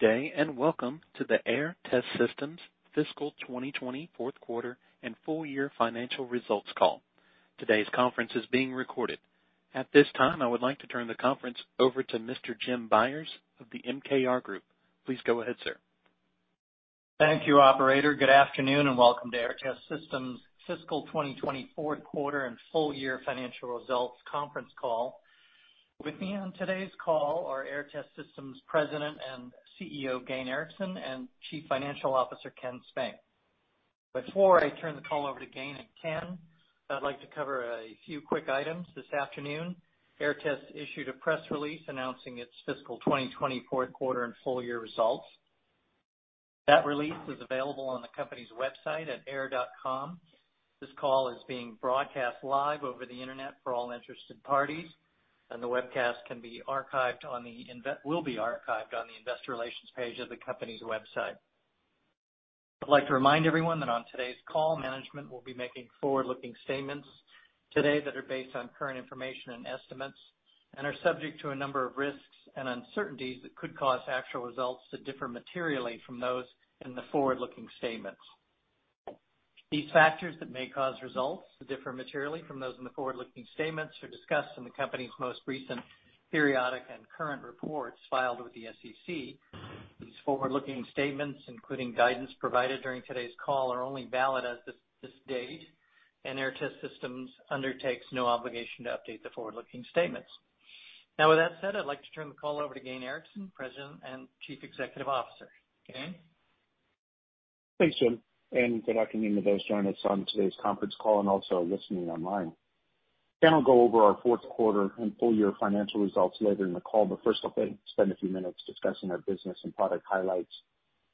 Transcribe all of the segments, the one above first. Good day, and welcome to the Aehr Test Systems fiscal 2020 fourth quarter and full year financial results call. Today's conference is being recorded. At this time, I would like to turn the conference over to Mr. Jim Byers of the MKR Group. Please go ahead, sir. Thank you, operator. Good afternoon, and welcome to Aehr Test Systems' fiscal 2020 fourth quarter and full year financial results conference call. With me on today's call are Aehr Test Systems' President and Chief Executive Officer, Gayn Erickson, and Chief Financial Officer, Ken Spink. Before I turn the call over to Gayn and Ken, I'd like to cover a few quick items this afternoon. Aehr Test issued a press release announcing its fiscal 2020 fourth quarter and full year results. That release is available on the company's website at aehr.com. This call is being broadcast live over the internet for all interested parties, and the webcast will be archived on the investor relations page of the company's website. I'd like to remind everyone that on today's call, management will be making forward-looking statements today that are based on current information and estimates and are subject to a number of risks and uncertainties that could cause actual results to differ materially from those in the forward-looking statements. These factors that may cause results to differ materially from those in the forward-looking statements are discussed in the company's most recent periodic and current reports filed with the SEC. These forward-looking statements, including guidance provided during today's call, are only valid as of this date, and Aehr Test Systems undertakes no obligation to update the forward-looking statements. Now, with that said, I'd like to turn the call over to Gayn Erickson, President and Chief Executive Officer. Gayn? Thanks, Jim, good afternoon to those joining us on today's conference call and also listening online. Ken will go over our fourth quarter and full year financial results later in the call, but first, I'll spend a few minutes discussing our business and product highlights,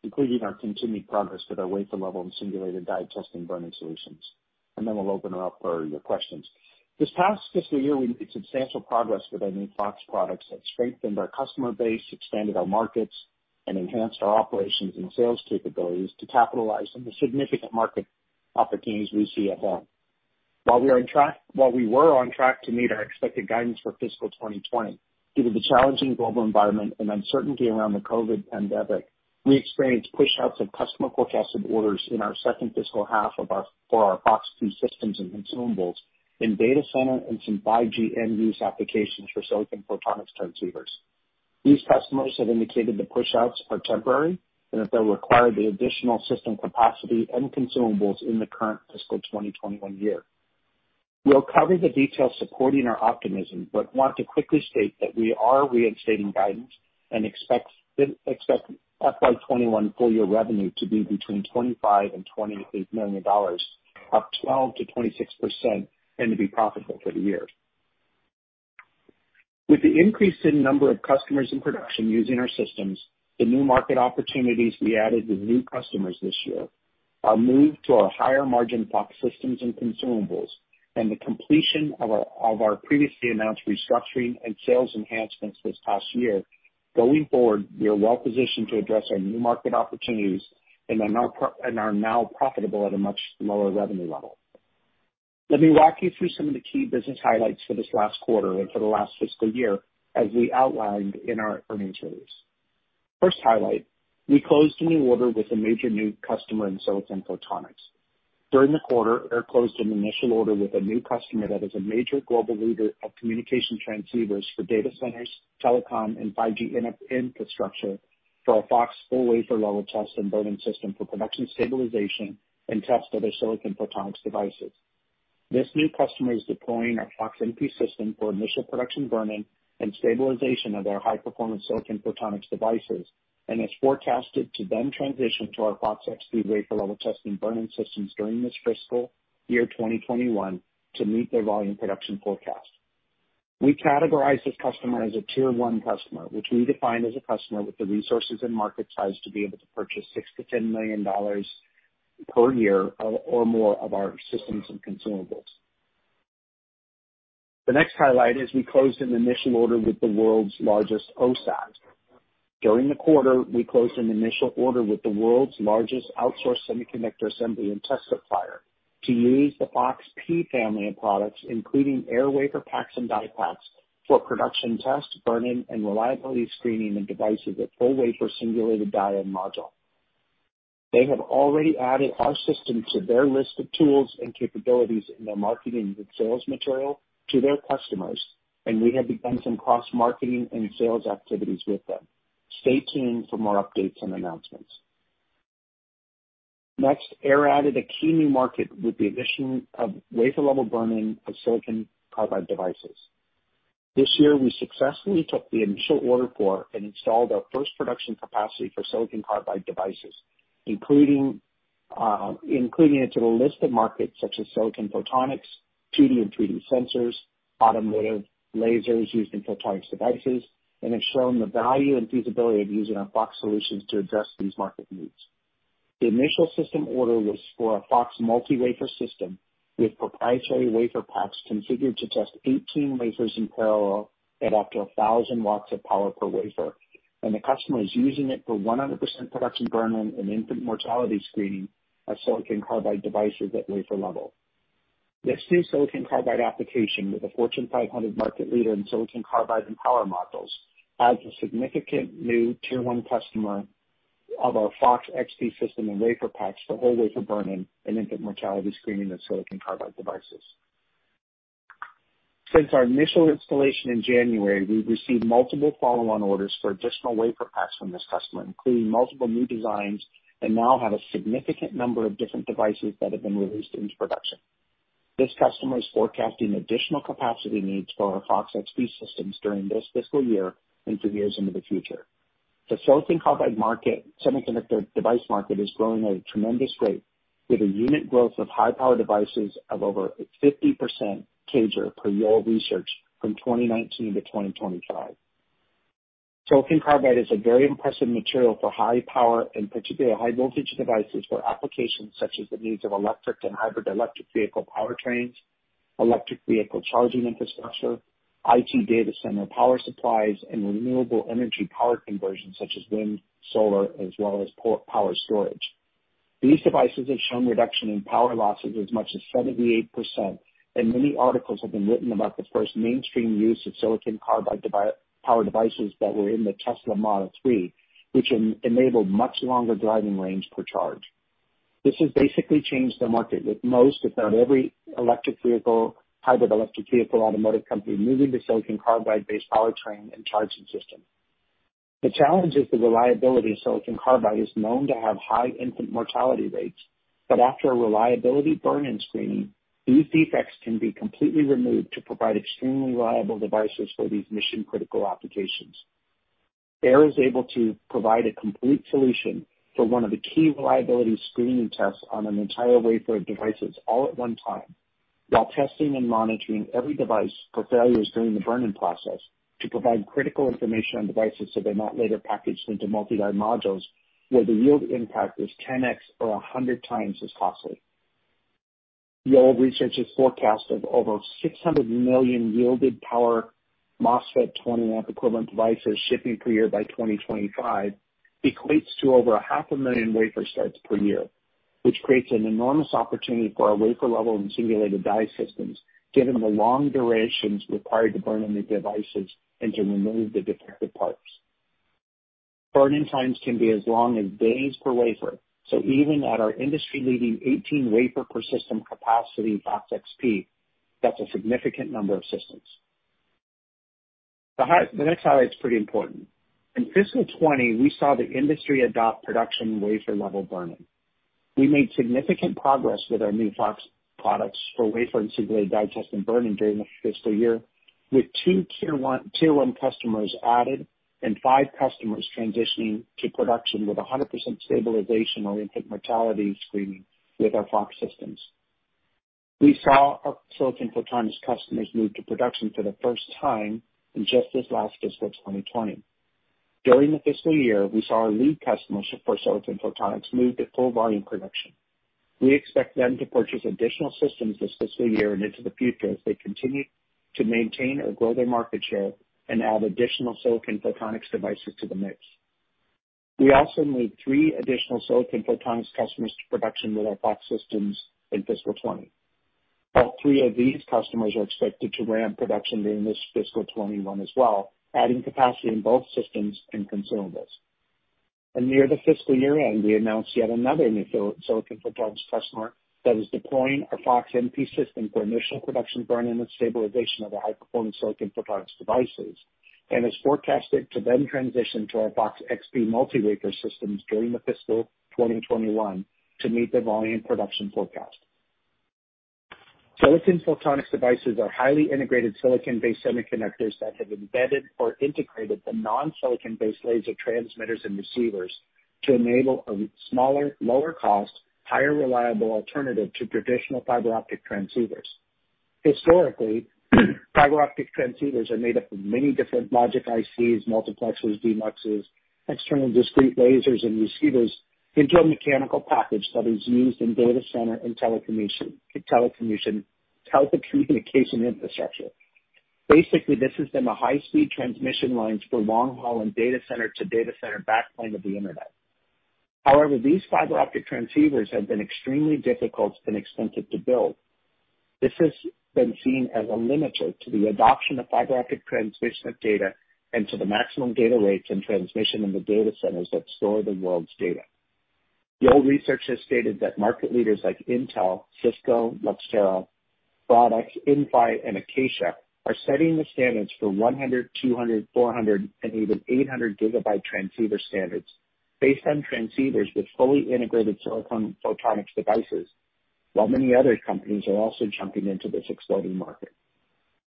including our continued progress with our wafer level and simulated die testing burn-in solutions. Then we'll open it up for your questions. This past fiscal year, we made substantial progress with our new FOX products that strengthened our customer base, expanded our markets, and enhanced our operations and sales capabilities to capitalize on the significant market opportunities we see ahead. While we were on track to meet our expected guidance for fiscal 2020, due to the challenging global environment and uncertainty around the COVID-19 pandemic, we experienced pushouts of customer forecasted orders in our second fiscal half for our FOX-S systems and consumables in data center and some 5G end use applications for silicon photonics transceivers. These customers have indicated the pushouts are temporary and that they'll require the additional system capacity and consumables in the current fiscal 2021 year. We'll cover the details supporting our optimism but want to quickly state that we are reinstating guidance and expect FY 2021 full year revenue to be between $25 and $28 million, up 12%-26%, and to be profitable for the year. With the increase in number of customers in production using our systems, the new market opportunities we added with new customers this year, our move to our higher margin FOX systems and consumables, and the completion of our previously announced restructuring and sales enhancements this past year, going forward, we are well-positioned to address our new market opportunities and are now profitable at a much lower revenue level. Let me walk you through some of the key business highlights for this last quarter and for the last fiscal year, as we outlined in our earnings release. First highlight, we closed a new order with a major new customer in silicon photonics. During the quarter, Aehr closed an initial order with a new customer that is a major global leader of communication transceivers for data centers, telecom, and 5G infrastructure for our FOX full wafer level test and burn-in system for production stabilization and test of their Silicon Photonics devices. This new customer is deploying our FOX-NP system for initial production burn-in and stabilization of their high-performance Silicon Photonics devices and is forecasted to then transition to our FOX-XP wafer level test and burn-in systems during this fiscal year 2021 to meet their volume production forecast. We categorize this customer as a tier 1 customer, which we define as a customer with the resources and market size to be able to purchase $6 million-$10 million per year or more of our systems and consumables. The next highlight is we closed an initial order with the world's largest OSAT. During the quarter, we closed an initial order with the world's largest outsourced semiconductor assembly and test supplier to use the FOX-P family of products, including Aehr wafer packs and die packs, for production test, burn-in, and reliability screening of devices at full wafer simulated die and module. They have already added our system to their list of tools and capabilities in their marketing and sales material to their customers. We have begun some cross-marketing and sales activities with them. Stay tuned for more updates and announcements. Next, Aehr added a key new market with the addition of wafer level burn-in of Silicon Carbide devices. This year, we successfully took the initial order for and installed our first production capacity for Silicon Carbide devices, including it to the list of markets such as silicon photonics, 2D and 3D sensors, automotive lasers used in photonics devices, and have shown the value and feasibility of using our FOX solutions to address these market needs. The initial system order was for a FOX multi-wafer system with proprietary wafer packs configured to test 18 wafers in parallel at up to 1,000 watts of power per wafer. The customer is using it for 100% production burn-in and infant mortality screening of Silicon Carbide devices at wafer level. This new Silicon Carbide application with a Fortune 500 market leader in Silicon Carbide and power modules adds a significant new Tier 1 customer of our FOX-XP system and wafer packs for whole wafer burn-in and infant mortality screening of Silicon Carbide devices. Since our initial installation in January, we've received multiple follow-on orders for additional wafer packs from this customer, including multiple new designs, and now have a significant number of different devices that have been released into production. This customer is forecasting additional capacity needs for our FOX-XP systems during this fiscal year and for years into the future. The Silicon Carbide market, semiconductor device market, is growing at a tremendous rate, with a unit growth of high-power devices of over 50% CAGR per Yole Développement research from 2019 to 2025. Silicon Carbide is a very impressive material for high power, and particularly high voltage devices for applications such as the needs of electric and hybrid electric vehicle powertrains, electric vehicle charging infrastructure, IT data center power supplies, and renewable energy power conversion such as wind, solar, as well as power storage. These devices have shown reduction in power losses as much as 78%. Many articles have been written about the first mainstream use of Silicon Carbide power devices that were in the Tesla Model 3, which enabled much longer driving range per charge. This has basically changed the market, with most, if not every electric vehicle, hybrid electric vehicle, automotive company, moving to Silicon Carbide-based powertrain and charging system. The challenge is the reliability. Silicon Carbide is known to have high infant mortality rates, but after a reliability burn-in screening, these defects can be completely removed to provide extremely reliable devices for these mission-critical applications. Aehr is able to provide a complete solution for one of the key reliability screening tests on an entire wafer of devices all at one time, while testing and monitoring every device for failures during the burn-in process to provide critical information on devices so they're not later packaged into multi-die modules where the yield impact is 10x or 100 times as costly. Yole Développement research has forecast of over 600 million yielded power MOSFET 20 amp equivalent devices shipping per year by 2025, equates to over a half a million wafer starts per year, which creates an enormous opportunity for our wafer level and singulated die systems, given the long durations required to burn in the devices and to remove the defective parts. Burn-in times can be as long as days per wafer, even at our industry-leading 18 wafer per system capacity, FOX-XP, that's a significant number of systems. The next highlight is pretty important. In fiscal 2020, we saw the industry adopt production wafer level burn-in. We made significant progress with our new FOX products for wafer and singulated die test and burn-in during the fiscal year, with two Tier 1 customers added and five customers transitioning to production with 100% stabilization or infant mortality screening with our FOX systems. We saw our silicon photonics customers move to production for the first time in just this last fiscal 2020. During the fiscal year, we saw our lead customers for silicon photonics move to full volume production. We expect them to purchase additional systems this fiscal year and into the future as they continue to maintain or grow their market share and add additional silicon photonics devices to the mix. We also moved three additional silicon photonics customers to production with our FOX systems in fiscal 2020. All three of these customers are expected to ramp production during this fiscal 2021 as well, adding capacity in both systems and consumables. Near the fiscal year-end, we announced yet another new silicon photonics customer that is deploying our FOX-NP system for initial production burn-in and stabilization of their high-performance silicon photonics devices, and is forecasted to then transition to our FOX-XP multi-wafer systems during the fiscal 2021 to meet their volume production forecast. Silicon photonics devices are highly integrated silicon-based semiconductors that have embedded or integrated the non-silicon-based laser transmitters and receivers to enable a smaller, lower cost, higher reliable alternative to traditional fiber optic transceivers. Historically, fiber optic transceivers are made up of many different logic ICs, multiplexers, demuxes, external discrete lasers, and receivers into a mechanical package that is used in data center and telecommunication infrastructure. This has been the high-speed transmission lines for long haul and data center to data center backplane of the internet. These fiber optic transceivers have been extremely difficult and expensive to build. This has been seen as a limiter to the adoption of fiber optic transmission of data and to the maximum data rates and transmission in the data centers that store the world's data. Yole Développement research has stated that market leaders like Intel, Cisco, Luxtera, Padock, Inphi, and Acacia are setting the standards for 100, 200, 400, and even 800 gigabit transceiver standards based on transceivers with fully integrated silicon photonics devices, while many other companies are also jumping into this exploding market.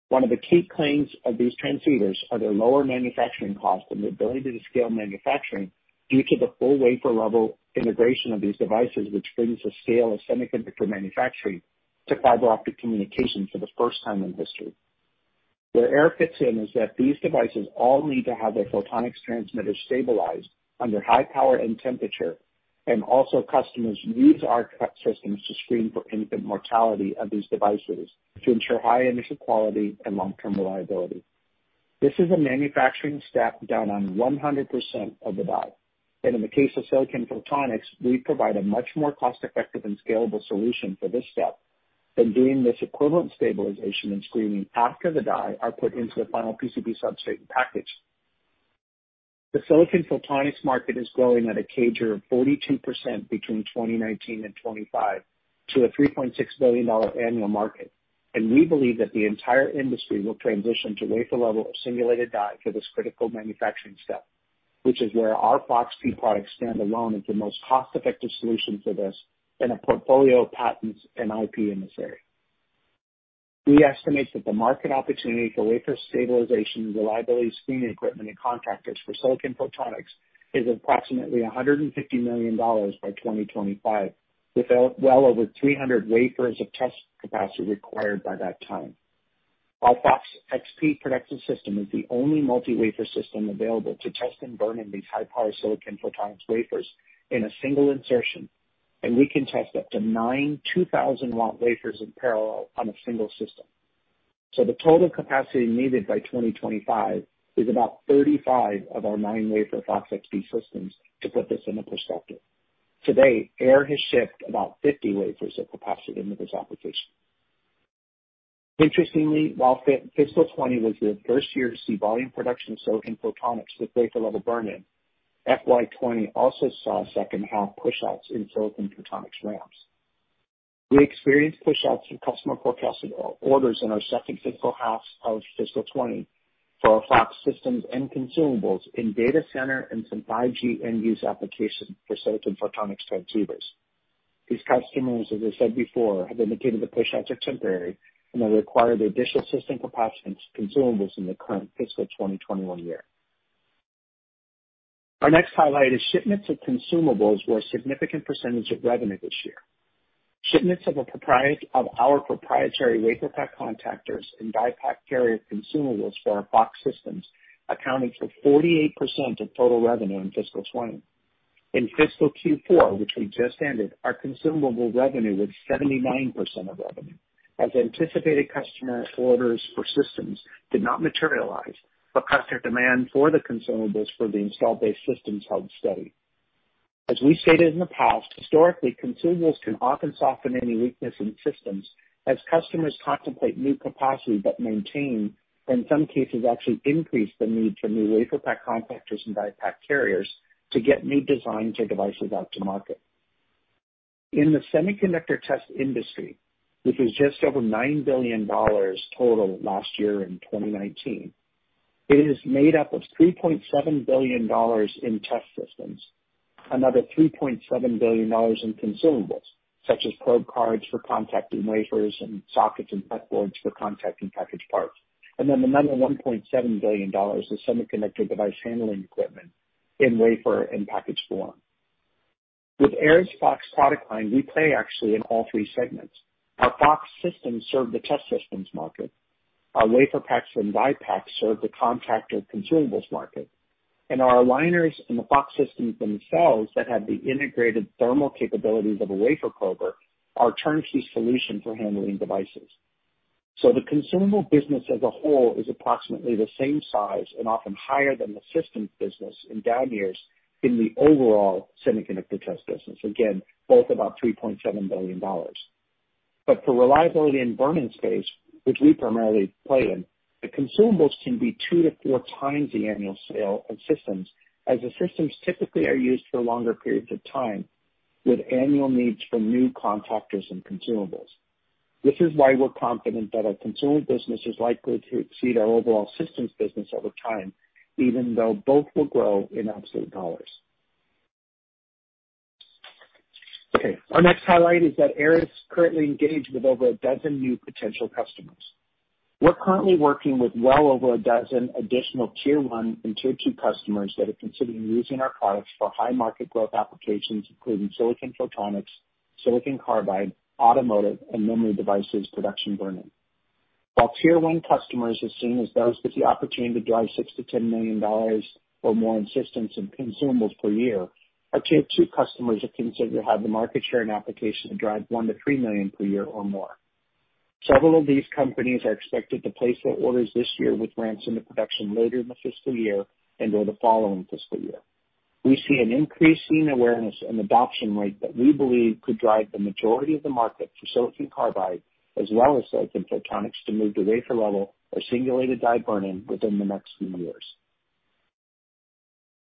One of the key claims of these transceivers are their lower manufacturing cost and the ability to scale manufacturing due to the full wafer level integration of these devices, which brings the scale of semiconductor manufacturing to fiber optic communication for the first time in history. Where Aehr fits in is that these devices all need to have their photonics transmitter stabilized under high power and temperature. Also customers use our systems to screen for infant mortality of these devices to ensure high initial quality and long-term reliability. This is a manufacturing step done on 100% of the die. In the case of silicon photonics, we provide a much more cost-effective and scalable solution for this step than doing this equivalent stabilization and screening after the die are put into the final PCB substrate and package. The silicon photonics market is growing at a CAGR of 42% between 2019 and 2025 to a $3.6 billion annual market. We believe that the entire industry will transition to wafer level or simulated die for this critical manufacturing step, which is where our FOX-P products stand alone as the most cost-effective solution for this and a portfolio of patents and IP in this area. We estimate that the market opportunity for wafer stabilization, reliability screening equipment, and contactors for silicon photonics is approximately $150 million by 2025, with well over 300 wafers of test capacity required by that time. Our FOX-XP production system is the only multi-wafer system available to test and burn in these high-power silicon photonics wafers in a single insertion, and we can test up to nine 2,000-watt wafers in parallel on a single system. The total capacity needed by 2025 is about 35 of our nine-wafer FOX-XP systems, to put this into perspective. To date, Aehr has shipped about 50 wafers of capacity into this application. Interestingly, while fiscal 2020 was the first year to see volume production of silicon photonics with wafer level burn-in, FY 2020 also saw second half pushouts in silicon photonics ramps. We experienced pushouts in customer forecasted orders in our second fiscal half of fiscal 2020 for our FOX systems and consumables in data center and some 5G end-use applications for silicon photonics transceivers. These customers, as I said before, have indicated the pushouts are temporary and they require the additional system capacity and consumables in the current fiscal 2021 year. Our next highlight is shipments of consumables were a significant percentage of revenue this year. Shipments of our proprietary wafer pack contactors and die pack carrier consumables for our FOX systems accounted for 48% of total revenue in fiscal 2020. In fiscal Q4, which we just ended, our consumable revenue was 79% of revenue. As anticipated, customer orders for systems did not materialize, but customer demand for the consumables for the installed base systems held steady. As we stated in the past, historically, consumables can often soften any weakness in systems as customers contemplate new capacity but maintain, in some cases, actually increase the need for new wafer pack contactors and die pack carriers to get new designs or devices out to market. In the semiconductor test industry, which was just over $9 billion total last year in 2019, it is made up of $3.7 billion in test systems, another $3.7 billion in consumables, such as probe cards for contacting wafers and sockets and pack boards for contacting package parts, another $1.7 billion is semiconductor device handling equipment in wafer and package form. With Aehr's FOX product line, we actually play in all three segments. Our FOX systems serve the test systems market. Our wafer packs and die packs serve the contactor consumables market, our aligners and the FOX systems themselves that have the integrated thermal capabilities of a wafer prober are a turnkey solution for handling devices. The consumable business as a whole is approximately the same size and often higher than the systems business in down years in the overall semiconductor test business. Both about $3.7 billion. For reliability and burn-in space, which we primarily play in, the consumables can be two to four times the annual sale of systems, as the systems typically are used for longer periods of time with annual needs for new contactors and consumables. This is why we're confident that our consumable business is likely to exceed our overall systems business over time, even though both will grow in absolute dollars. Our next highlight is that Aehr is currently engaged with over a dozen new potential customers. We're currently working with well over a dozen additional tier 1 and tier 2 customers that are considering using our products for high market growth applications, including silicon photonics, Silicon Carbide, automotive, and memory devices production burn-in. While tier 1 customers are seen as those with the opportunity to drive $6 million-$10 million or more in systems and consumables per year, our tier 2 customers are considered to have the market share and application to drive $1 million-$3 million per year or more. Several of these companies are expected to place their orders this year with ramps into production later in the fiscal year and or the following fiscal year. We see an increasing awareness and adoption rate that we believe could drive the majority of the market for Silicon Carbide as well as silicon photonics to move to wafer level or simulated die burn-in within the next few years.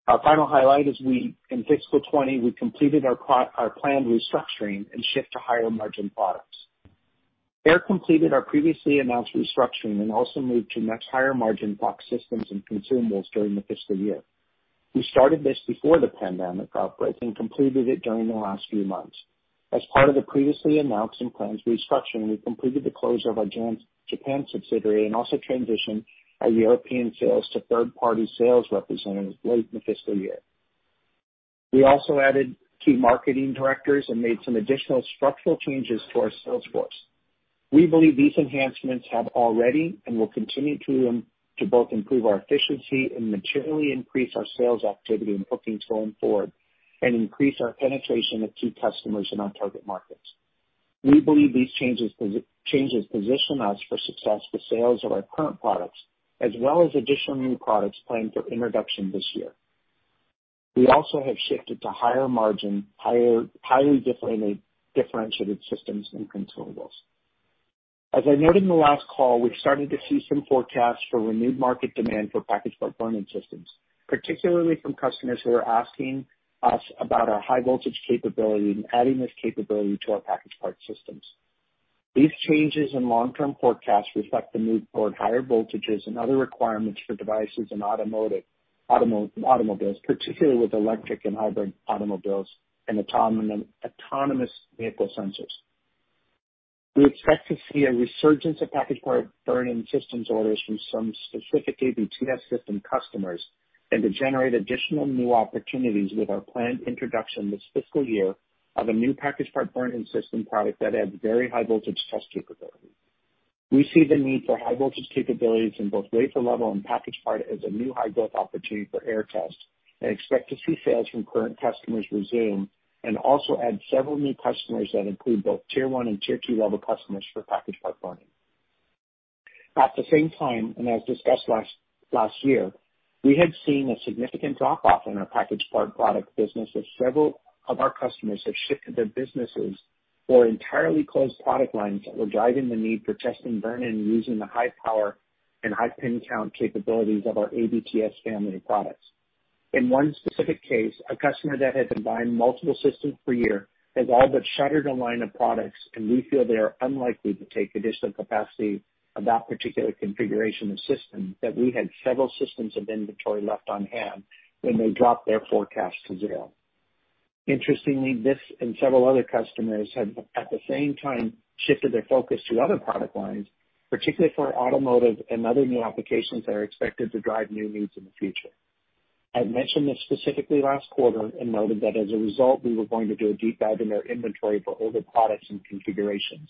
Our final highlight is in FY 2020, we completed our planned restructuring and shift to higher margin products. Aehr completed our previously announced restructuring and also moved to much higher margin FOX systems and consumables during the fiscal year. We started this before the pandemic outbreak and completed it during the last few months. As part of the previously announced and planned restructuring, we completed the closure of our Japan subsidiary and also transitioned our European sales to third-party sales representatives late in the fiscal year. We also added key marketing directors and made some additional structural changes to our sales force. We believe these enhancements have already and will continue to both improve our efficiency and materially increase our sales activity and bookings going forward and increase our penetration of key customers in our target markets. We believe these changes position us for success for sales of our current products, as well as additional new products planned for introduction this year. We also have shifted to higher margin, highly differentiated systems and consumables. As I noted in the last call, we've started to see some forecasts for renewed market demand for packaged part burn-in systems, particularly from customers who are asking us about our high voltage capability and adding this capability to our packaged part systems. These changes in long-term forecasts reflect the move toward higher voltages and other requirements for devices in automobiles, particularly with electric and hybrid automobiles and autonomous vehicle sensors. We expect to see a resurgence of packaged part burn-in systems orders from some specific ABTS system customers, and to generate additional new opportunities with our planned introduction this fiscal year of a new packaged part burn-in system product that adds very high voltage test capability. We see the need for high voltage capabilities in both wafer level and packaged part as a new high-growth opportunity for Aehr Test, and expect to see sales from current customers resume, and also add several new customers that include both tier 1 and tier 2 level customers for packaged part burn-in. At the same time, and as discussed last year, we had seen a significant drop-off in our packaged part product business as several of our customers have shifted their businesses or entirely closed product lines that were driving the need for test and burn-in using the high power and high pin count capabilities of our ABTS family of products. In one specific case, a customer that had been buying multiple systems per year has all but shuttered a line of products. We feel they are unlikely to take additional capacity of that particular configuration of system that we had several systems of inventory left on-hand when they dropped their forecast to 0. Interestingly, this and several other customers have, at the same time, shifted their focus to other product lines, particularly for automotive and other new applications that are expected to drive new needs in the future. I mentioned this specifically last quarter and noted that as a result, we were going to do a deep dive in our inventory for older products and configurations.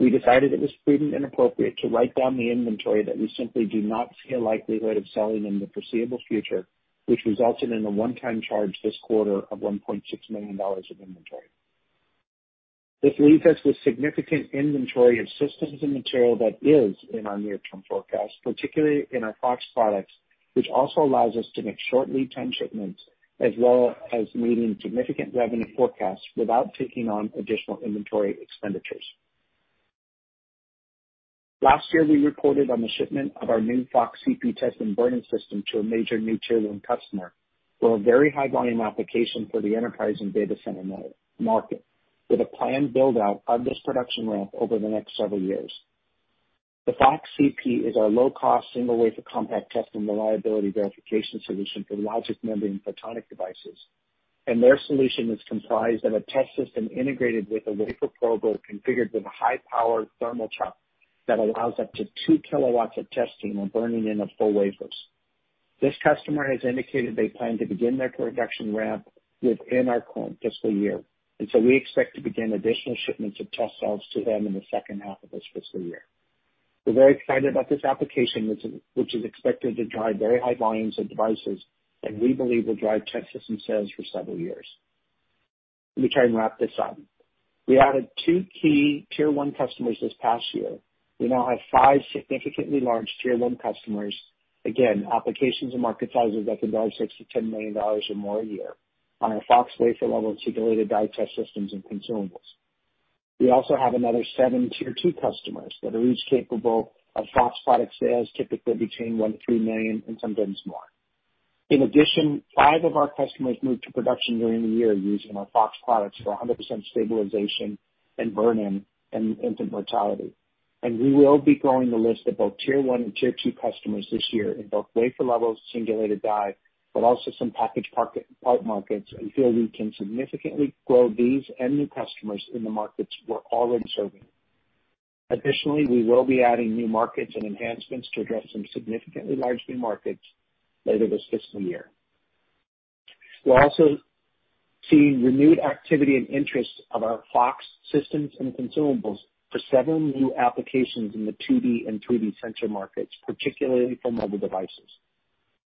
We decided it was prudent and appropriate to write down the inventory that we simply do not see a likelihood of selling in the foreseeable future, which resulted in a one-time charge this quarter of $1.6 million of inventory. This leaves us with significant inventory of systems and material that is in our near-term forecast, particularly in our FOX products, which also allows us to make short lead time shipments, as well as meeting significant revenue forecasts without taking on additional inventory expenditures. Last year, we reported on the shipment of our new FOX-CP test and burn-in system to a major new tier 1 customer for a very high volume application for the enterprise and data center market, with a planned build-out of this production ramp over the next several years. The FOX-CP is our low-cost single wafer compact test and reliability verification solution for logic memory and photonic devices. Their solution is comprised of a test system integrated with a wafer probe or configured with a high-powered thermal chuck that allows up to 2 kilowatts of testing or burning in of full wafers. This customer has indicated they plan to begin their production ramp within our current fiscal year. We expect to begin additional shipments of test cells to them in the second half of this fiscal year. We're very excited about this application, which is expected to drive very high volumes of devices that we believe will drive test system sales for several years. Let me try and wrap this up. We added two key tier 1 customers this past year. We now have five significantly large tier 1 customers. Again, applications and market sizes that could drive $6 million-$10 million or more a year on our FOX wafer level singulated die test systems and consumables. We also have another seven tier 2 customers that are each capable of FOX product sales, typically between $1 million-$3 million and sometimes more. In addition, five of our customers moved to production during the year using our FOX products for 100% stabilization and burn-in and infant mortality. We will be growing the list of both tier 1 and tier 2 customers this year in both wafer level, singulated die, but also some packaged part markets, and feel we can significantly grow these and new customers in the markets we're already serving. Additionally, we will be adding new markets and enhancements to address some significantly large new markets later this fiscal year. We're also seeing renewed activity and interest of our FOX systems and consumables for several new applications in the 2D and 3D sensor markets, particularly for mobile devices.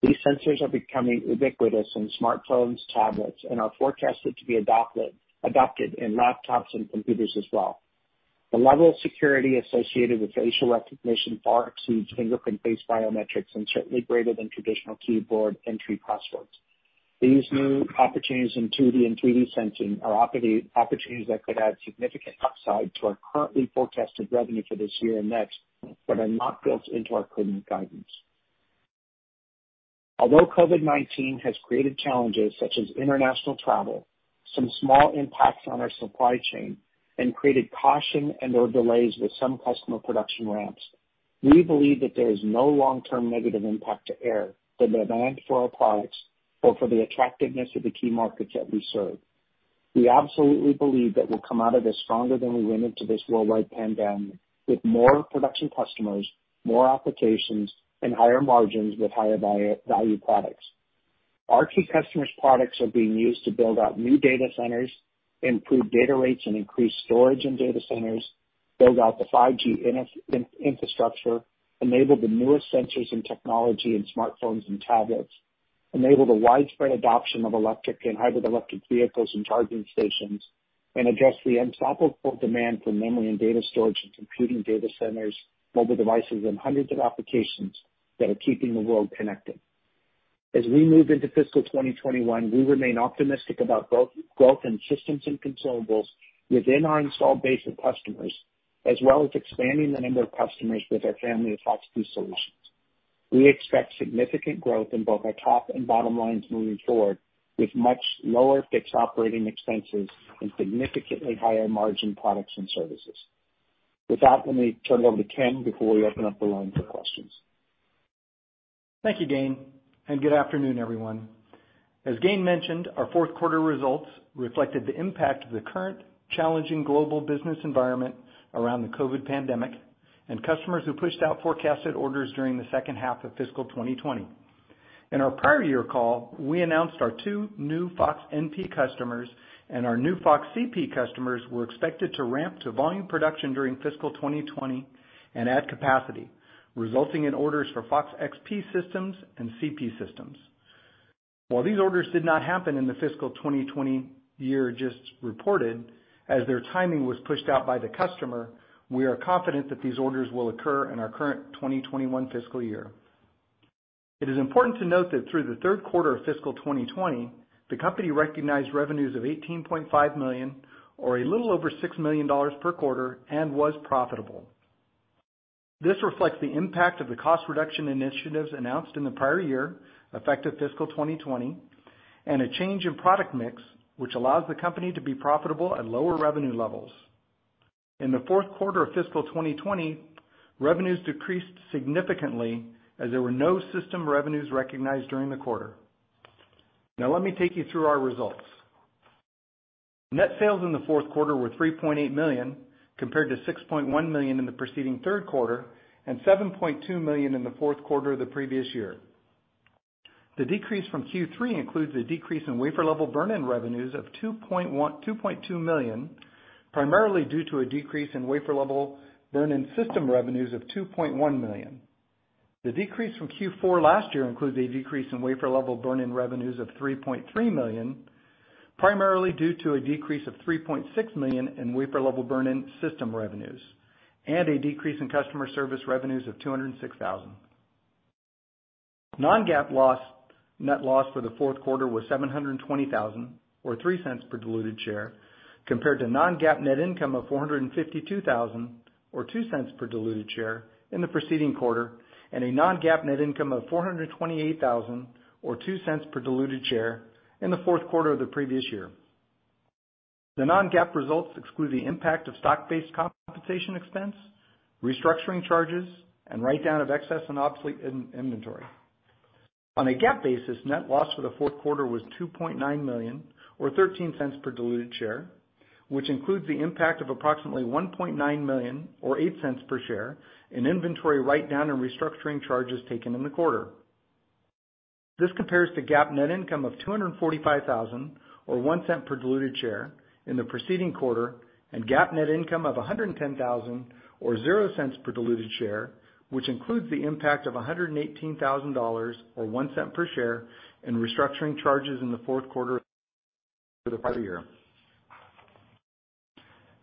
These sensors are becoming ubiquitous in smartphones, tablets, and are forecasted to be adopted in laptops and computers as well. The level of security associated with facial recognition far exceeds fingerprint-based biometrics, and certainly greater than traditional keyboard entry passwords. These new opportunities in 2D and 3D sensing are opportunities that could add significant upside to our currently forecasted revenue for this year and next, but are not built into our current guidance. Although COVID-19 has created challenges such as international travel, some small impacts on our supply chain, and created caution and/or delays with some customer production ramps, we believe that there is no long-term negative impact to Aehr, the demand for our products, or for the attractiveness of the key markets that we serve. We absolutely believe that we'll come out of this stronger than we went into this worldwide pandemic, with more production customers, more applications, and higher margins with higher value products. Our key customers' products are being used to build out new data centers, improve data rates and increase storage in data centers, build out the 5G infrastructure, enable the newest sensors and technology in smartphones and tablets. Enable the widespread adoption of electric and hybrid electric vehicles and charging stations, and address the unstoppable demand for memory and data storage and computing data centers, mobile devices, and hundreds of applications that are keeping the world connected. As we move into fiscal 2021, we remain optimistic about both growth in systems and consumables within our installed base of customers, as well as expanding the number of customers with our family of FOX solutions. We expect significant growth in both our top and bottom lines moving forward, with much lower fixed operating expenses and significantly higher margin products and services. With that, let me turn it over to Ken before we open up the line for questions. Thank you, Gayn, and good afternoon, everyone. As Gayn mentioned, our fourth quarter results reflected the impact of the current challenging global business environment around the COVID pandemic and customers who pushed out forecasted orders during the second half of fiscal 2020. In our prior year call, we announced our two new FOX-NP customers and our new FOX-CP customers were expected to ramp to volume production during fiscal 2020 and add capacity, resulting in orders for FOX-XP systems and CP systems. While these orders did not happen in the fiscal 2020 year just reported, as their timing was pushed out by the customer, we are confident that these orders will occur in our current 2021 fiscal year. It is important to note that through the third quarter of fiscal 2020, the company recognized revenues of $18.5 million or a little over $6 million per quarter and was profitable. This reflects the impact of the cost reduction initiatives announced in the prior year, effective fiscal 2020, and a change in product mix, which allows the company to be profitable at lower revenue levels. In the fourth quarter of fiscal 2020, revenues decreased significantly as there were no system revenues recognized during the quarter. Let me take you through our results. Net sales in the fourth quarter were $3.8 million, compared to $6.1 million in the preceding third quarter and $7.2 million in the fourth quarter of the previous year. The decrease from Q3 includes a decrease in wafer-level burn-in revenues of $2.2 million, primarily due to a decrease in wafer-level burn-in system revenues of $2.1 million. The decrease from Q4 last year includes a decrease in wafer-level burn-in revenues of $3.3 million, primarily due to a decrease of $3.6 million in wafer-level burn-in system revenues, and a decrease in customer service revenues of $206,000. Non-GAAP net loss for the fourth quarter was $720,000 or $0.03 per diluted share, compared to non-GAAP net income of $452,000 or $0.02 per diluted share in the preceding quarter, and a non-GAAP net income of $428,000 or $0.02 per diluted share in the fourth quarter of the previous year. The non-GAAP results exclude the impact of stock-based compensation expense, restructuring charges, and write-down of excess and obsolete inventory. On a GAAP basis, net loss for the fourth quarter was $2.9 million or $0.13 per diluted share, which includes the impact of approximately $1.9 million or $0.08 per share in inventory write-down and restructuring charges taken in the quarter. This compares to GAAP net income of $245,000 or $0.01 per diluted share in the preceding quarter, and GAAP net income of $110,000 or $0.00 per diluted share, which includes the impact of $118,000 or $0.01 per share in restructuring charges in the fourth quarter for the prior year.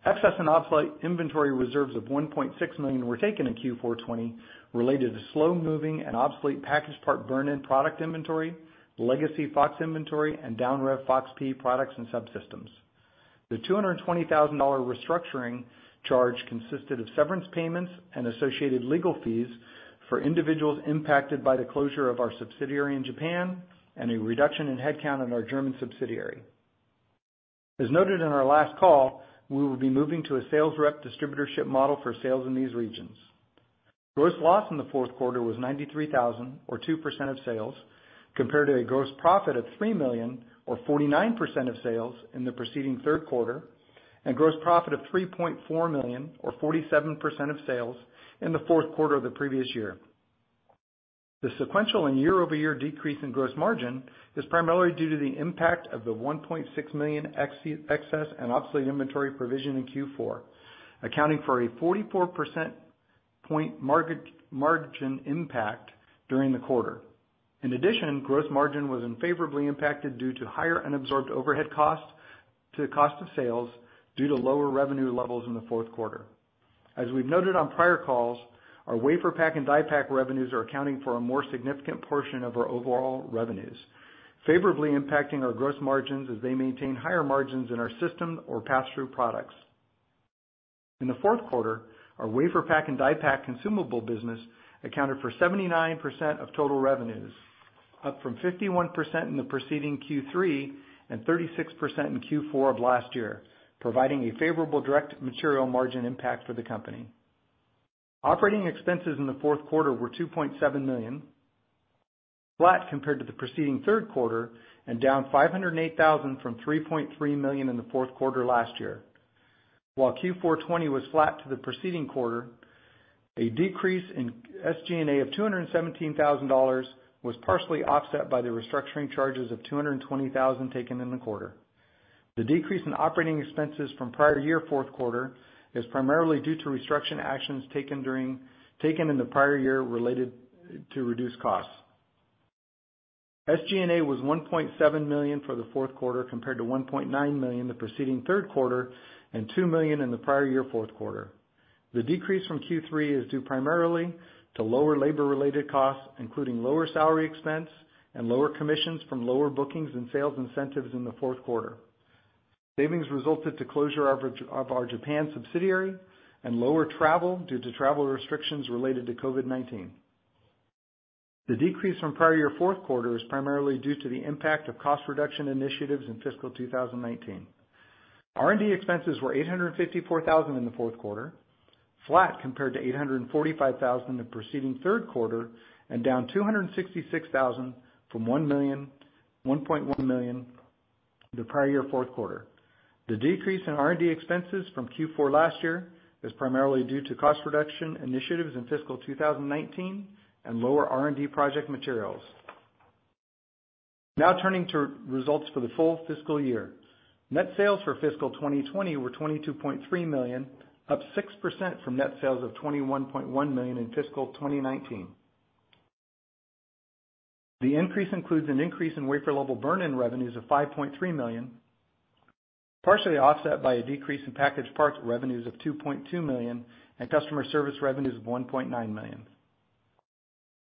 Excess and obsolete inventory reserves of $1.6 million were taken in Q4 2020, related to slow-moving and obsolete packaged part burn-in product inventory, legacy FOX inventory, and down-rev FOX-P products and subsystems. The $220,000 restructuring charge consisted of severance payments and associated legal fees for individuals impacted by the closure of our subsidiary in Japan and a reduction in headcount in our German subsidiary. As noted in our last call, we will be moving to a sales rep distributorship model for sales in these regions. Gross loss in the fourth quarter was $93,000 or 2% of sales, compared to a gross profit of $3 million or 49% of sales in the preceding third quarter, and gross profit of $3.4 million or 47% of sales in the fourth quarter of the previous year. The sequential and year-over-year decrease in gross margin is primarily due to the impact of the $1.6 million excess and obsolete inventory provision in Q4, accounting for a 44 percentage point margin impact during the quarter. In addition, gross margin was unfavorably impacted due to higher unabsorbed overhead costs to cost of sales due to lower revenue levels in the fourth quarter. As we've noted on prior calls, our wafer pack and die pack revenues are accounting for a more significant portion of our overall revenues, favorably impacting our gross margins as they maintain higher margins in our system or pass-through products. In the fourth quarter, our wafer pack and die pack consumable business accounted for 79% of total revenues, up from 51% in the preceding Q3 and 36% in Q4 of last year, providing a favorable direct material margin impact for the company. Operating expenses in the fourth quarter were $2.7 million, flat compared to the preceding third quarter, and down $508,000 from $3.3 million in the fourth quarter last year. While Q4 2020 was flat to the preceding quarter, a decrease in SG&A of $217,000 was partially offset by the restructuring charges of $220,000 taken in the quarter. The decrease in operating expenses from prior year fourth quarter is primarily due to restructuring actions taken in the prior year related to reduced costs. SG&A was $1.7 million for the fourth quarter, compared to $1.9 million the preceding third quarter, and $2 million in the prior year fourth quarter. The decrease from Q3 is due primarily to lower labor-related costs, including lower salary expense and lower commissions from lower bookings and sales incentives in the fourth quarter. Savings resulted to closure of our Japan subsidiary, and lower travel due to travel restrictions related to COVID-19. The decrease from prior year fourth quarter is primarily due to the impact of cost reduction initiatives in fiscal 2019. R&D expenses were $854,000 in the fourth quarter, flat compared to $845,000 the preceding third quarter, and down $266,000 from $1.1 million the prior year fourth quarter. The decrease in R&D expenses from Q4 last year is primarily due to cost reduction initiatives in fiscal 2019, and lower R&D project materials. Turning to results for the full fiscal year. Net sales for fiscal 2020 were $22.3 million, up 6% from net sales of $21.1 million in fiscal 2019. The increase includes an increase in wafer level burn-in revenues of $5.3 million, partially offset by a decrease in packaged parts revenues of $2.2 million, and customer service revenues of $1.9 million.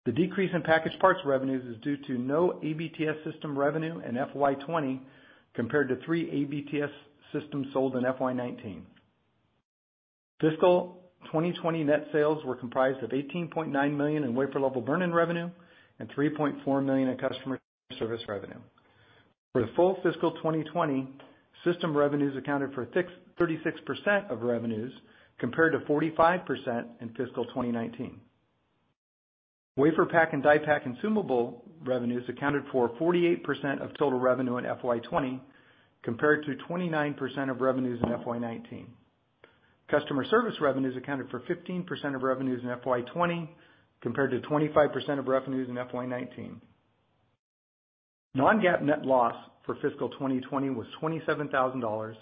The decrease in packaged parts revenues is due to no ABTS system revenue in FY 2020, compared to 3 ABTS systems sold in FY 2019. Fiscal 2020 net sales were comprised of $18.9 million in wafer level burn-in revenue, and $3.4 million in customer service revenue. For the full fiscal 2020, system revenues accounted for 36% of revenues, compared to 45% in fiscal 2019. Wafer pack and die pack consumable revenues accounted for 48% of total revenue in FY 2020, compared to 29% of revenues in FY 2019. Customer service revenues accounted for 15% of revenues in FY 2020, compared to 25% of revenues in FY 2019. Non-GAAP net loss for fiscal 2020 was $27,000,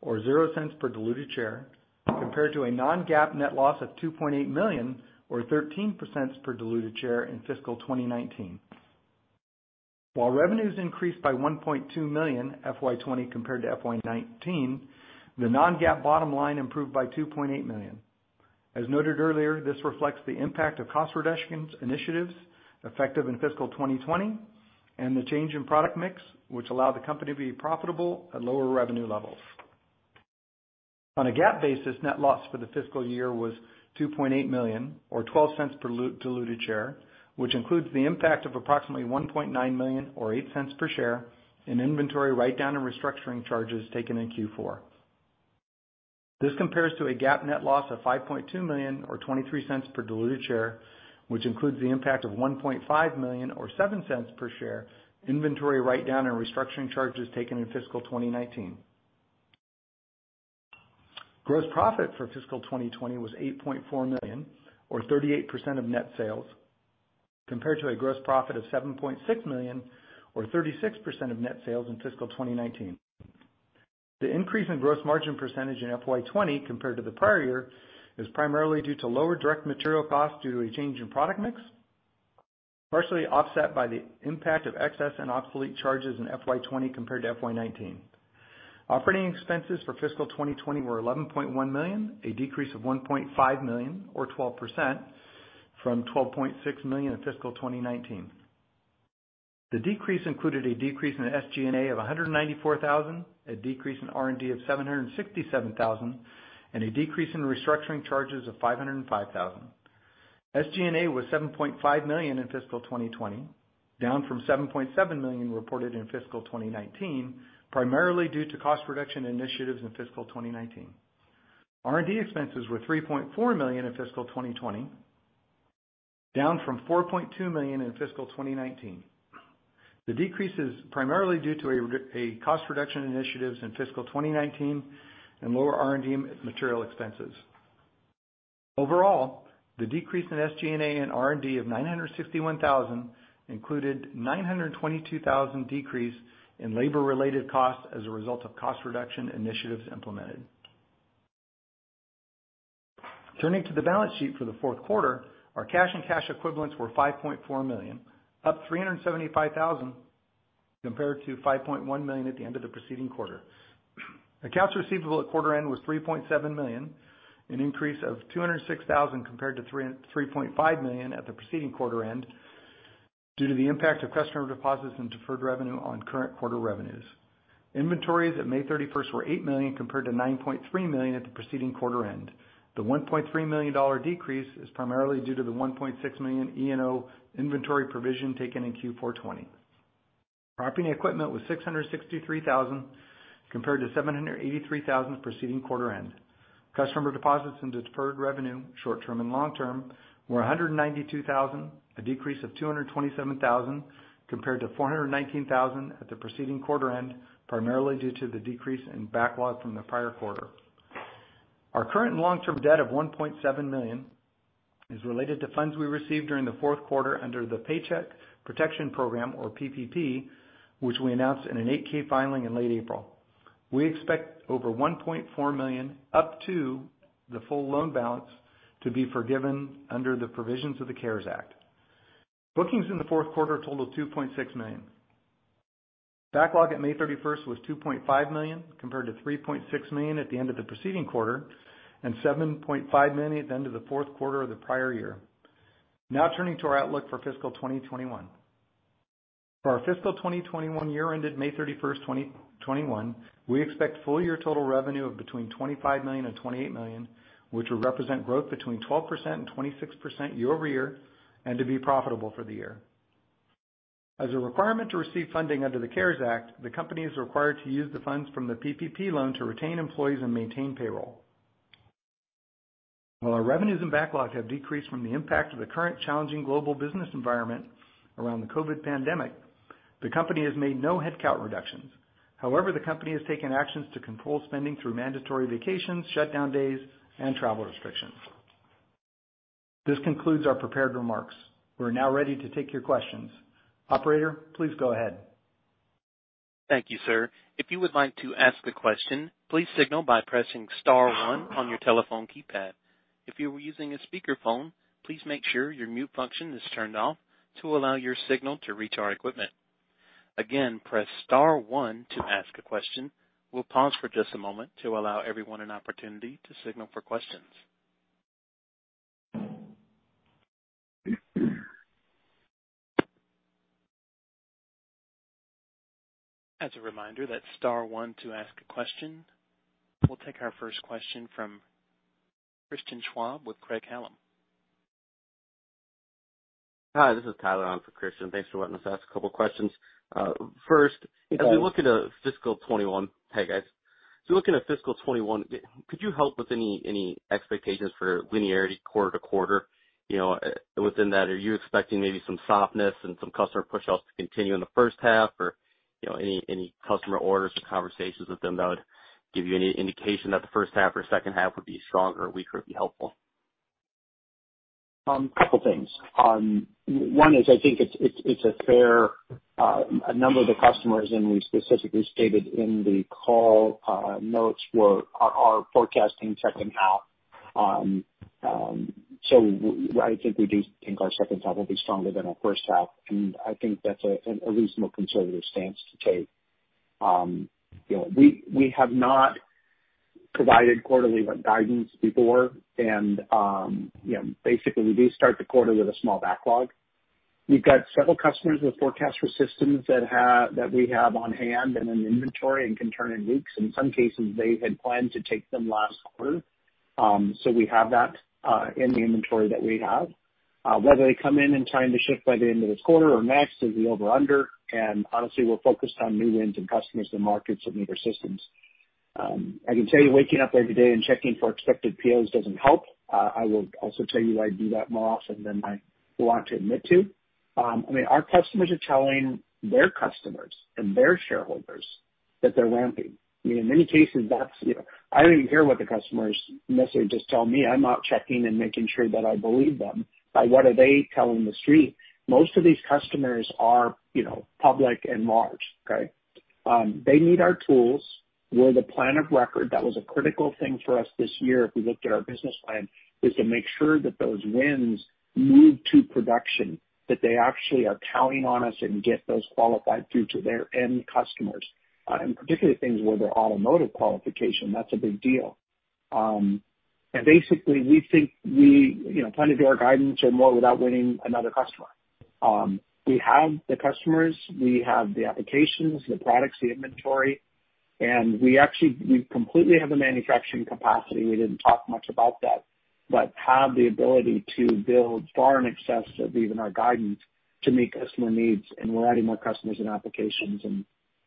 or $0.00 per diluted share, compared to a non-GAAP net loss of $2.8 million, or 13% per diluted share in fiscal 2019. While revenues increased by $1.2 million FY 2020 compared to FY 2019, the non-GAAP bottom line improved by $2.8 million. As noted earlier, this reflects the impact of cost reductions initiatives effective in fiscal 2020, and the change in product mix, which allowed the company to be profitable at lower revenue levels. On a GAAP basis, net loss for the fiscal year was $2.8 million, or $0.12 per diluted share, which includes the impact of approximately $1.9 million, or $0.08 per share, in inventory write-down and restructuring charges taken in Q4. This compares to a GAAP net loss of $5.2 million, or $0.23 per diluted share, which includes the impact of $1.5 million, or $0.07 per share, inventory write-down and restructuring charges taken in fiscal 2019. Gross profit for fiscal 2020 was $8.4 million, or 38% of net sales, compared to a gross profit of $7.6 million, or 36% of net sales in fiscal 2019. The increase in gross margin percentage in FY 2020 compared to the prior year is primarily due to lower direct material costs due to a change in product mix, partially offset by the impact of excess and obsolete charges in FY 2020 compared to FY 2019. Operating expenses for fiscal 2020 were $11.1 million, a decrease of $1.5 million, or 12%, from $12.6 million in fiscal 2019. The decrease included a decrease in the SG&A of $194,000, a decrease in R&D of $767,000, and a decrease in restructuring charges of $505,000. SG&A was $7.5 million in fiscal 2020, down from $7.7 million reported in fiscal 2019, primarily due to cost reduction initiatives in fiscal 2019. R&D expenses were $3.4 million in fiscal 2020, down from $4.2 million in fiscal 2019. The decrease is primarily due to a cost reduction initiatives in fiscal 2019 and lower R&D material expenses. Overall, the decrease in SG&A and R&D of $961,000 included $922,000 decrease in labor-related costs as a result of cost reduction initiatives implemented. Turning to the balance sheet for the fourth quarter. Our cash and cash equivalents were $5.4 million, up $375,000 compared to $5.1 million at the end of the preceding quarter. Accounts receivable at quarter end was $3.7 million, an increase of $206,000 compared to $3.5 million at the preceding quarter end, due to the impact of customer deposits and deferred revenue on current quarter revenues. Inventories at May 31st were $8 million compared to $9.3 million at the preceding quarter end. The $1.3 million decrease is primarily due to the $1.6 million E&O inventory provision taken in Q4 2020. Property and equipment was $663,000, compared to $783,000 the preceding quarter end. Customer deposits and deferred revenue, short-term and long-term, were $192,000, a decrease of $227,000 compared to $419,000 at the preceding quarter end, primarily due to the decrease in backlog from the prior quarter. Our current long-term debt of $1.7 million is related to funds we received during the fourth quarter under the Paycheck Protection Program, or PPP, which we announced in an 8-K filing in late April. We expect over $1.4 million, up to the full loan balance to be forgiven under the provisions of the CARES Act. Bookings in the fourth quarter totaled $2.6 million. Backlog at May 31st was $2.5 million compared to $3.6 million at the end of the preceding quarter, and $7.5 million at the end of the fourth quarter of the prior year. Now turning to our outlook for fiscal 2021. For our fiscal 2021 year ended May 31st, 2021, we expect full year total revenue of between $25 million and $28 million, which will represent growth between 12% and 26% year-over-year, and to be profitable for the year. As a requirement to receive funding under the CARES Act, the company is required to use the funds from the PPP loan to retain employees and maintain payroll. While our revenues and backlog have decreased from the impact of the current challenging global business environment around the COVID pandemic, the company has made no headcount reductions. However, the company has taken actions to control spending through mandatory vacations, shutdown days, and travel restrictions. This concludes our prepared remarks. We're now ready to take your questions. Operator, please go ahead. Thank you, sir. If you would like to ask a question, please signal by pressing star 1 on your telephone keypad. If you are using a speakerphone, please make sure your mute function is turned off to allow your signal to reach our equipment. Again, press star 1 to ask a question. We'll pause for just a moment to allow everyone an opportunity to signal for questions. As a reminder, that's star 1 to ask a question. We'll take our first question from Christian Schwab with Craig-Hallum. Hi, This is Tyler on for Christian. Thanks for letting us ask a couple of questions. Hey, Guys. Hey, Guys. As we look into fiscal 2021, could you help with any expectations for linearity quarter to quarter? Within that, are you expecting maybe some softness and some customer pushoffs to continue in the first half? Any customer orders or conversations with them that would give you any indication that the first half or second half would be stronger or weaker would be helpful. Couple things. One is, I think it's a fair, a number of the customers, and we specifically stated in the call notes, are forecasting checking out. I think we do think our second half will be stronger than our first half, and I think that's a reasonable conservative stance to take. We have not provided quarterly guidance before. Basically, we do start the quarter with a small backlog. We've got several customers with forecast for systems that we have on hand and in inventory and can turn in weeks. In some cases, they had planned to take them last quarter. We have that in the inventory that we have. Whether they come in in time to ship by the end of this quarter or next is the over-under. Honestly, we're focused on new wins and customers and markets that need our systems. I can tell you, waking up every day and checking for expected POs doesn't help. I will also tell you I do that more often than I want to admit to. Our customers are telling their customers and their shareholders that they're ramping. In many cases, I don't even care what the customers necessarily just tell me. I'm out checking and making sure that I believe them by what are they telling the street. Most of these customers are public and large. Okay? They need our tools. We're the plan of record. That was a critical thing for us this year if we looked at our business plan, is to make sure that those wins move to production, that they actually are counting on us and get those qualified through to their end customers. Particularly things where they're automotive qualification, that's a big deal. Basically, we think we plan to do our guidance and more without winning another customer. We have the customers, we have the applications, the products, the inventory, and we completely have the manufacturing capacity. We didn't talk much about that, but have the ability to build far in excess of even our guidance to meet customer needs, and we're adding more customers and applications,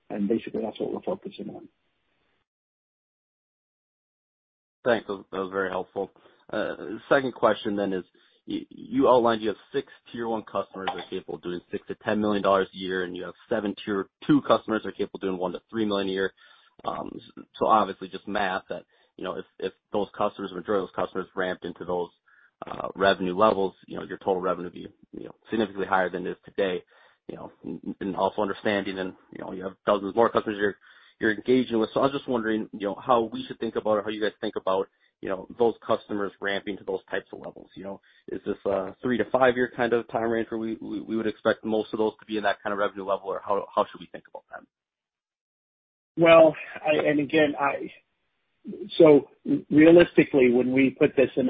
and basically that's what we're focusing on. Thanks. That was very helpful. Second question is, you outlined you have 6 tier 1 customers who are capable of doing $6 million-$10 million a year, and you have 7 tier 2 customers who are capable of doing $1 million-$3 million a year. Obviously just math that if those customers, majority of those customers ramped into those revenue levels, your total revenue would be significantly higher than it is today. Also understanding, you have dozens more customers you're engaging with. I was just wondering how we should think about, or how you guys think about those customers ramping to those types of levels. Is this a three to five-year kind of time range where we would expect most of those to be in that kind of revenue level? How should we think about them? Realistically, when we put this in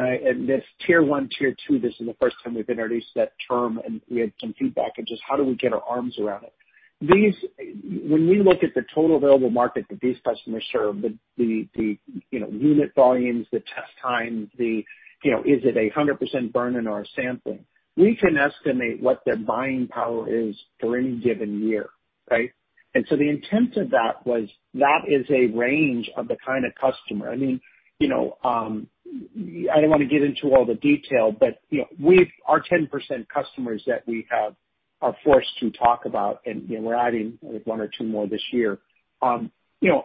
this tier 1, tier 2, this is the first time we've introduced that term, and we had some feedback of just how do we get our arms around it. When we look at the total available market that these customers serve, the unit volumes, the test times, is it 100% burn-in or sampling? We can estimate what their buying power is for any given year. Right? The intent of that was that is a range of the kind of customer. I don't want to get into all the detail, but our 10% customers that we have are forced to talk about, and we're adding one or two more this year. Our 10%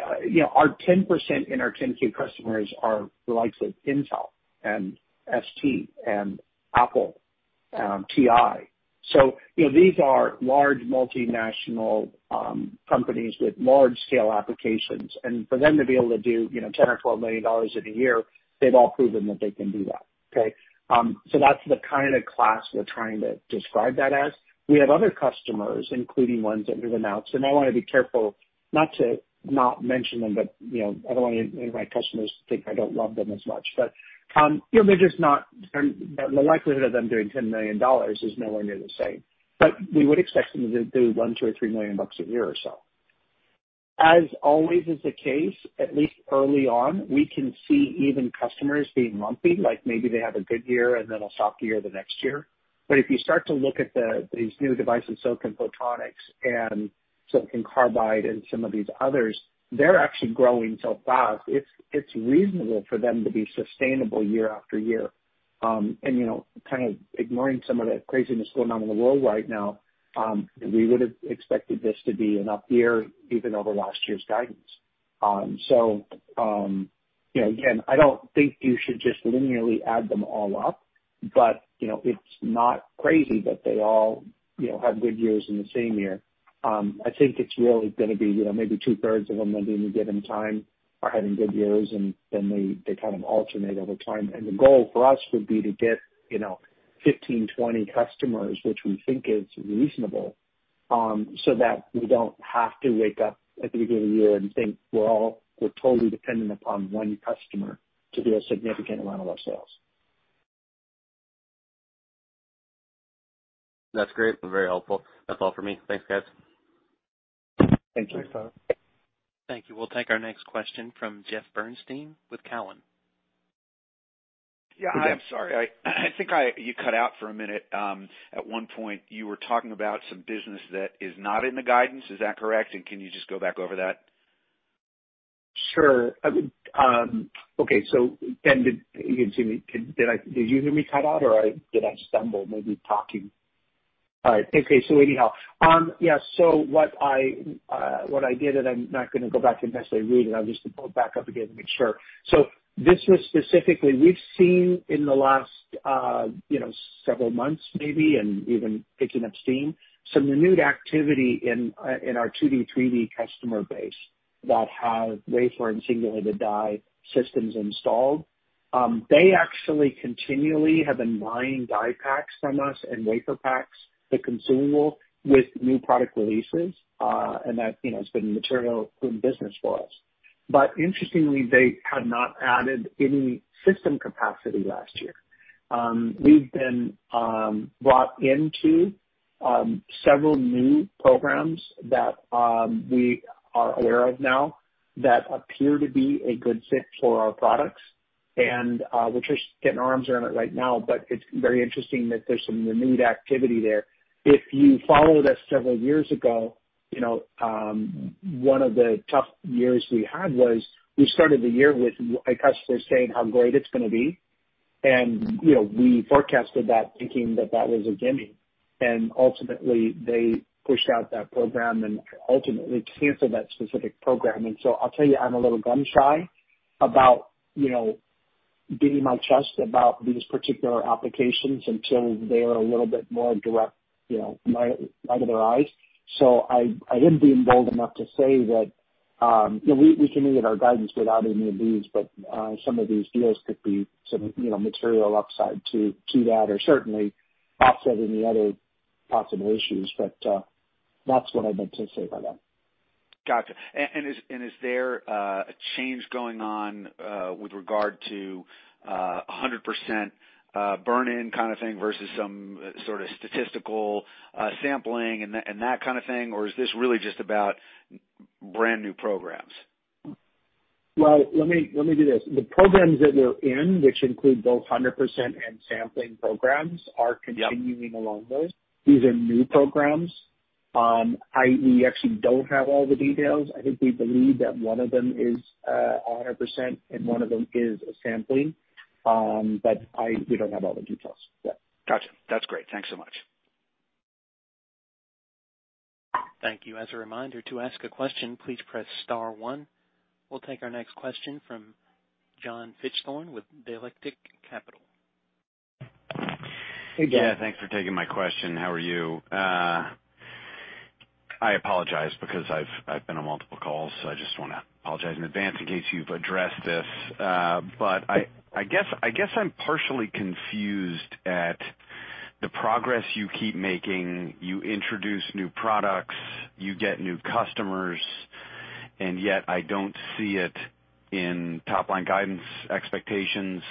and our 10 customers are the likes of Intel and ST and Apple, TI. These are large multinational companies with large-scale applications. For them to be able to do $10 or $12 million in a year, they've all proven that they can do that. Okay? That's the kind of class we're trying to describe that as. We have other customers, including ones that we've announced, and I want to be careful not to not mention them, but I don't want any of my customers to think I don't love them as much. The likelihood of them doing $10 million is nowhere near the same. We would expect them to do $1 million, $2 million, or $3 million a year or so. As always is the case, at least early on, we can see even customers being lumpy, like maybe they have a good year and then a soft year the next year. If you start to look at these new devices, silicon photonics and Silicon Carbide and some of these others, they're actually growing so fast, it's reasonable for them to be sustainable year after year. Kind of ignoring some of the craziness going on in the world right now, we would've expected this to be an up year even over last year's guidance. Again, I don't think you should just linearly add them all up, but it's not crazy that they all have good years in the same year. I think it's really going to be maybe two-thirds of them, maybe any given time, are having good years, and then they kind of alternate over time. The goal for us would be to get 15, 20 customers, which we think is reasonable, so that we don't have to wake up at the beginning of the year and think we're totally dependent upon one customer to do a significant amount of our sales. That's great. Very helpful. That's all for me. Thanks, guys. Thank you. Thanks, Tyler. Thank you. We'll take our next question from Jeffrey Bernstein with Cowen. Yeah. I'm sorry. I think you cut out for a minute. At one point, you were talking about some business that is not in the guidance. Is that correct? Can you just go back over that? Sure. Okay. Did you hear me cut out, or did I stumble maybe talking? All right. Okay. Anyhow. What I did, and I'm not going to go back and necessarily read it. I'll just pull it back up again to make sure. This was specifically we've seen in the last several months maybe, and even picking up steam, some renewed activity in our 2D, 3D customer base that have wafer and singulated die systems installed. They actually continually have been buying die packs from us and wafer packs, the consumable, with new product releases. That's been material in business for us. Interestingly, they had not added any system capacity last year. We've been brought into several new programs that we are aware of now that appear to be a good fit for our products, and we're just getting our arms around it right now. It's very interesting that there's some renewed activity there. If you followed us several years ago, one of the tough years we had was we started the year with a customer saying how great it's going to be. We forecasted that thinking that that was a gimme, and ultimately they pushed out that program and ultimately canceled that specific program. I'll tell you, I'm a little gun shy about beating my chest about these particular applications until they're a little bit more direct in light of their eyes. I didn't feel bold enough to say that we can meet our guidance without any of these, some of these deals could be some material upside to that or certainly offsetting the other possible issues. That's what I meant to say by that. Got you. Is there a change going on with regard to 100% burn-in kind of thing versus some sort of statistical sampling and that kind of thing? Or is this really just about brand-new programs? Well, let me do this. The programs that we're in, which include both 100% and sampling programs, are continuing along those. These are new programs. I.e., we actually don't have all the details. I think we believe that one of them is 100% and one of them is a sampling. We don't have all the details. Yeah. Got you. That's great. Thanks so much. Thank you. As a reminder, to ask a question, please press star one. We'll take our next question from John Fichthorn with Dialectic Capital. Hey, John. Yeah. Thanks for taking my question. How are you? I apologize because I've been on multiple calls, so I just want to apologize in advance in case you've addressed this. I guess I'm partially confused at the progress you keep making. You introduce new products, you get new customers, and yet I don't see it in top-line guidance expectations,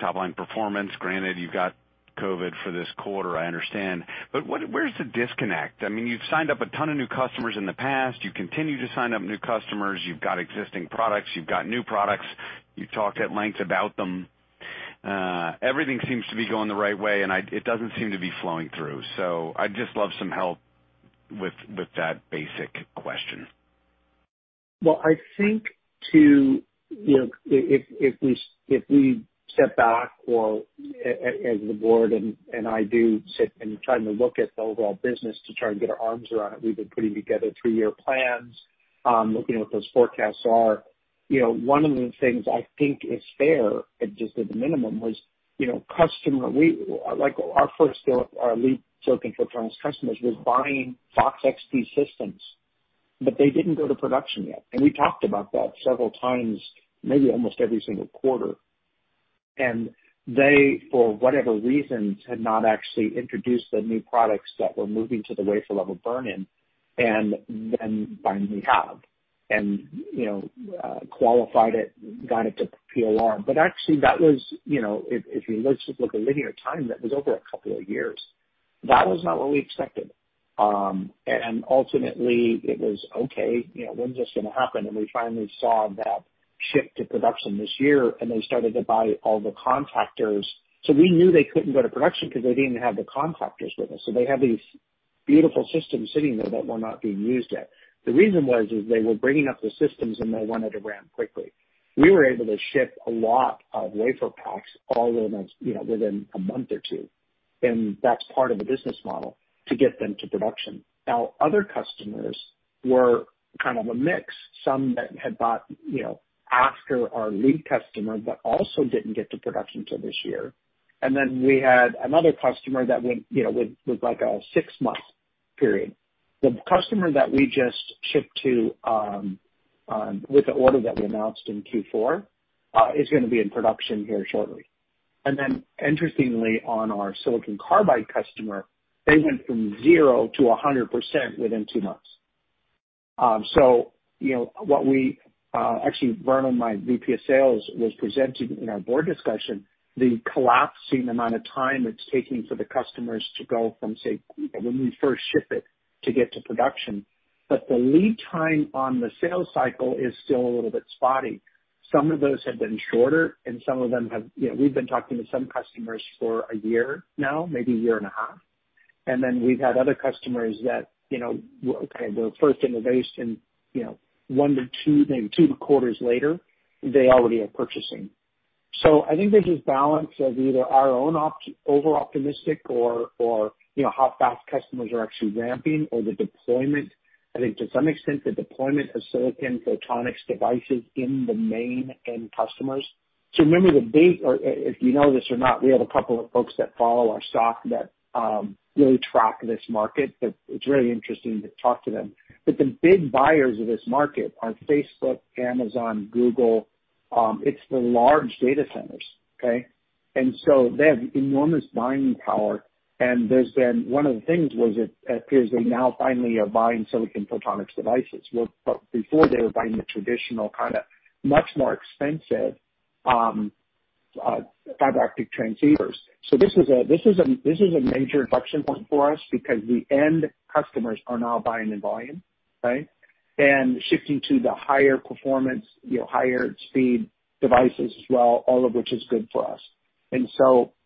top-line performance. Granted, you've got COVID for this quarter, I understand. Where's the disconnect? You've signed up a ton of new customers in the past. You continue to sign up new customers. You've got existing products, you've got new products. You talked at length about them. Everything seems to be going the right way, and it doesn't seem to be flowing through. I'd just love some help with that basic question. Well, I think if we step back, as the board and I do sit and try to look at the overall business to try and get our arms around it, we've been putting together three-year plans, looking at what those forecasts are. One of the things I think is fair, just at the minimum, was our first lead silicon photonics customers was buying FOX-XP systems, but they didn't go to production yet. We talked about that several times, maybe almost every single quarter. They, for whatever reasons, had not actually introduced the new products that were moving to the wafer-level burn-in, and then finally have. Qualified it, got it to POR. Actually, if you just look at linear time, that was over a couple of years. That was not what we expected. Ultimately it was, okay, when's this going to happen? We finally saw that ship to production this year, and they started to buy all the contactors. We knew they couldn't go to production because they didn't have the contactors with them. They had these beautiful systems sitting there that were not being used yet. The reason was, is they were bringing up the systems, and they wanted to ramp quickly. We were able to ship a lot of wafer packs all within a month or two, and that's part of the business model to get them to production. Other customers were kind of a mix. Some that had bought after our lead customer but also didn't get to production till this year. Then we had another customer that was like a six-month period. The customer that we just shipped to with the order that we announced in Q4 is going to be in production here shortly. Interestingly, on our Silicon Carbide customer, they went from 0%-100% within two months. Actually, Vernon, my VP of Sales, was presenting in our board discussion the collapsing amount of time it's taking for the customers to go from, say, when we first ship it to get to production. The lead time on the sales cycle is still a little bit spotty. Some of those have been shorter and some of them. We've been talking to some customers for a year now, maybe a year and a half. We've had other customers that, okay, their first innovation, 1-2, maybe two quarters later, they already are purchasing. I think there's this balance of either our own over-optimistic or how fast customers are actually ramping or the deployment. I think to some extent, the deployment of silicon photonics devices in the main end customers. Remember the big, or if you know this or not, we have a couple of folks that follow our stock that really track this market, but it's really interesting to talk to them. The big buyers of this market are Facebook, Amazon, Google. It's the large data centers, okay? They have enormous buying power. One of the things was it appears they now finally are buying silicon photonics devices. Before they were buying the traditional, much more expensive fiber optic transceivers. This is a major inflection point for us because the end customers are now buying in volume, right? Shifting to the higher performance, higher speed devices as well, all of which is good for us.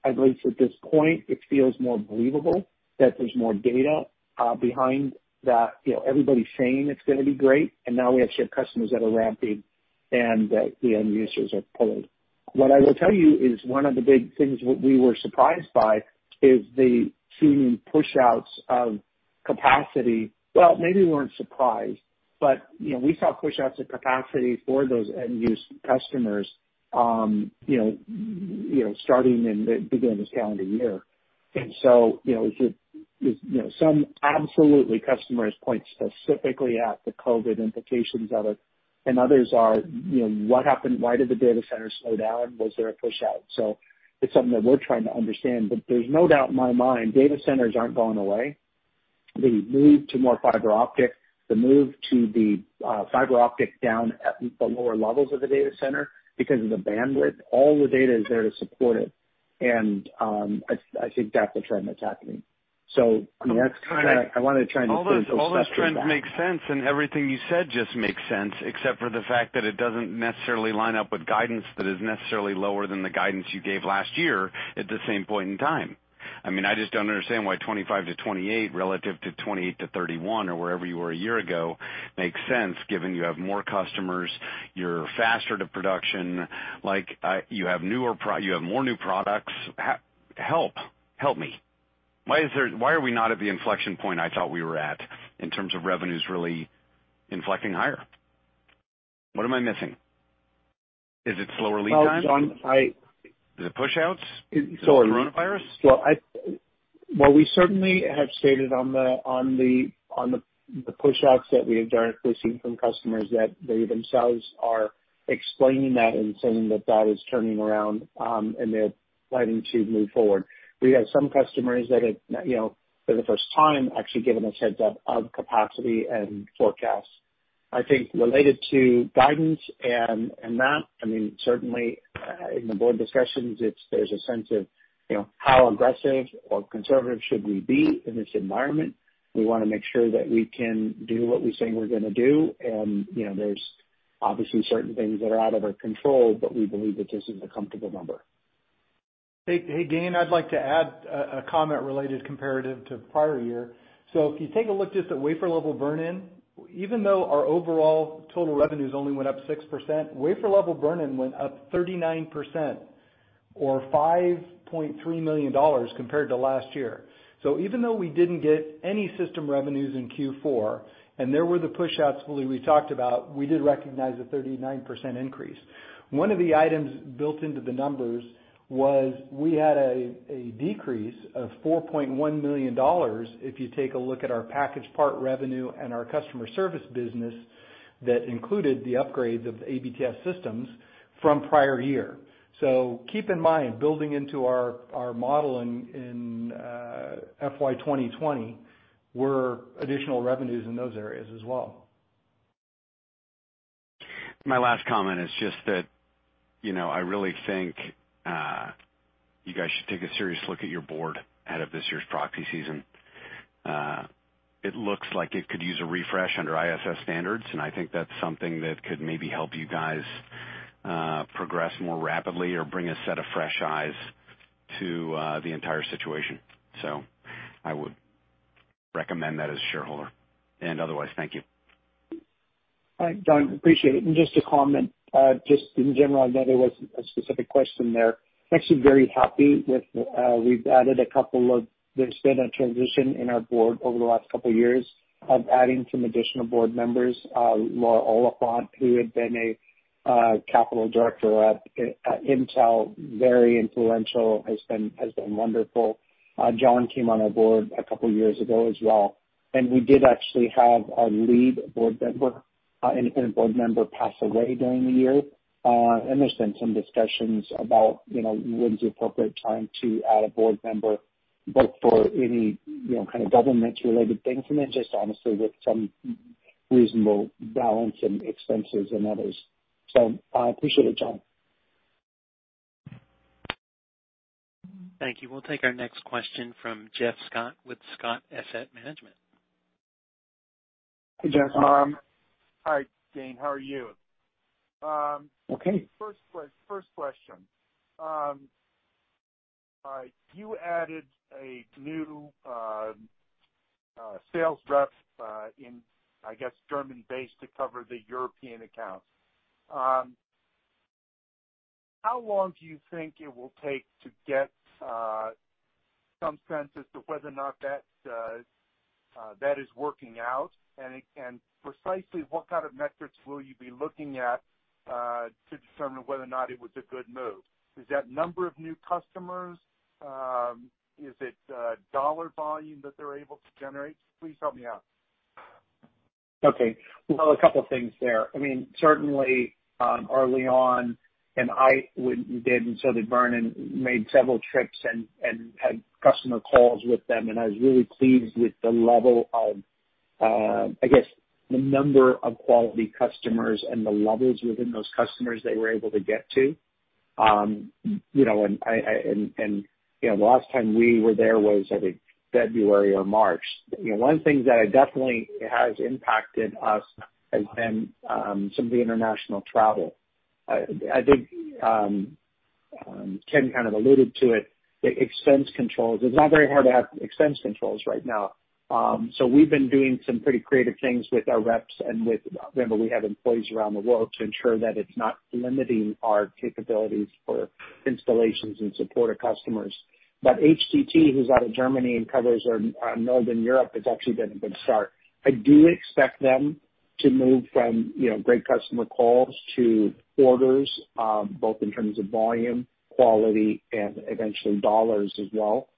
I believe at this point, it feels more believable that there's more data behind that everybody saying it's going to be great, and now we actually have customers that are ramping and that the end users are pulling. What I will tell you is one of the big things we were surprised by is the seeing push outs of capacity. Well, maybe we weren't surprised, but we saw push outs of capacity for those end-use customers starting in the beginning of this calendar year. Some absolutely customers point specifically at the COVID implications of it, and others are, "What happened? Why did the data center slow down? Was there a push out? It's something that we're trying to understand, but there's no doubt in my mind data centers aren't going away. The move to more fiber optics, the move to the fiber optics down at the lower levels of the data center because of the bandwidth, all the data is there to support it. I think that's a trend that's happening. I wanted to try and put it in perspective. All those trends make sense. Everything you said just makes sense, except for the fact that it doesn't necessarily line up with guidance that is necessarily lower than the guidance you gave last year at the same point in time. I just don't understand why $25 million-$28 million relative to $28 million-$31 million or wherever you were a year ago makes sense given you have more customers, you're faster to production, you have more new products. Help. Help me. Why are we not at the inflection point I thought we were at in terms of revenues really inflecting higher? What am I missing? Is it slower lead times? No, John, Is it push outs? Sorry. Is it coronavirus? Well, we certainly have stated on the push outs that we have directly seen from customers that they themselves are explaining that and saying that that is turning around, and they're planning to move forward. We have some customers that have, for the first time, actually given us heads up of capacity and forecasts. I think related to guidance and that, certainly in the board discussions, there's a sense of how aggressive or conservative should we be in this environment. We want to make sure that we can do what we say we're going to do. There's obviously certain things that are out of our control, but we believe that this is a comfortable number. Hey, Gayn. I'd like to add a comment related comparative to the prior year. If you take a look just at wafer level burn-in, even though our overall total revenues only went up 6%, wafer level burn-in went up 39% or $5.3 million compared to last year. Even though we didn't get any system revenues in Q4, and there were the pushouts fully we talked about, we did recognize a 39% increase. One of the items built into the numbers was we had a decrease of $4.1 million, if you take a look at our packaged part revenue and our customer service business that included the upgrades of ABTS systems from prior year. Keep in mind, building into our model in FY 2020, were additional revenues in those areas as well. My last comment is just that, I really think you guys should take a serious look at your board ahead of this year's proxy season. It looks like it could use a refresh under ISS standards. I think that's something that could maybe help you guys progress more rapidly or bring a set of fresh eyes to the entire situation. I would recommend that as a shareholder and otherwise. Thank you. All right, John, appreciate it. Just to comment, just in general, I know there was a specific question there. Actually very happy with. There's been a transition in our board over the last couple of years of adding some additional board members. Laura Oliphant, who had been a capital director at Intel, very influential, has been wonderful. John came on our board a couple years ago as well. We did actually have our lead board member, independent board member, pass away during the year. There's been some discussions about when's the appropriate time to add a board member, both for any kind of government-related things, and then just honestly with some reasonable balance and expenses and others. I appreciate it, John. Thank you. We'll take our next question from Geoff Scott with Scott Asset Management. Hey, Geoff. Hi, Gayn. How are you? Okay. First question. You added a new sales rep, I guess, German-based to cover the European accounts. How long do you think it will take to get some sense as to whether or not that is working out? Precisely what kind of metrics will you be looking at to determine whether or not it was a good move? Is that number of new customers? Is it dollar volume that they're able to generate? Please help me out. Okay. Well, a couple things there. Certainly, early on, I did and so did Vernon, made several trips and had customer calls with them, and I was really pleased with, I guess, the number of quality customers and the levels within those customers they were able to get to. The last time we were there was, I think, February or March. One of the things that definitely has impacted us has been some of the international travel. I think Ken kind of alluded to it, the expense controls. It's not very hard to have expense controls right now. We've been doing some pretty creative things with our reps and remember, we have employees around the world to ensure that it's not limiting our capabilities for installations and support of customers. HCT, who's out of Germany and covers Northern Europe, has actually been a good start. I do expect them to move from great customer calls to orders, both in terms of volume, quality, and eventually dollars as well.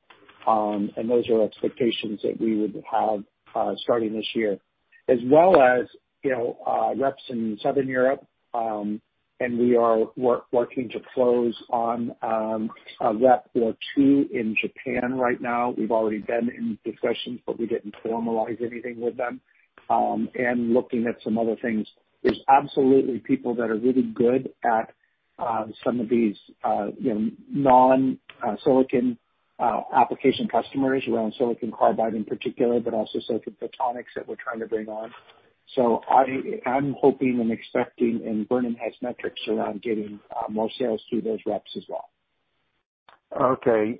Those are expectations that we would have starting this year. As well as reps in Southern Europe, and we are working to close on a rep or two in Japan right now. We've already been in discussions, but we didn't formalize anything with them, and looking at some other things. There's absolutely people that are really good at some of these non-silicon application customers around Silicon Carbide in particular, but also silicon photonics that we're trying to bring on. I'm hoping and expecting, and Vernon has metrics around getting more sales through those reps as well. Okay.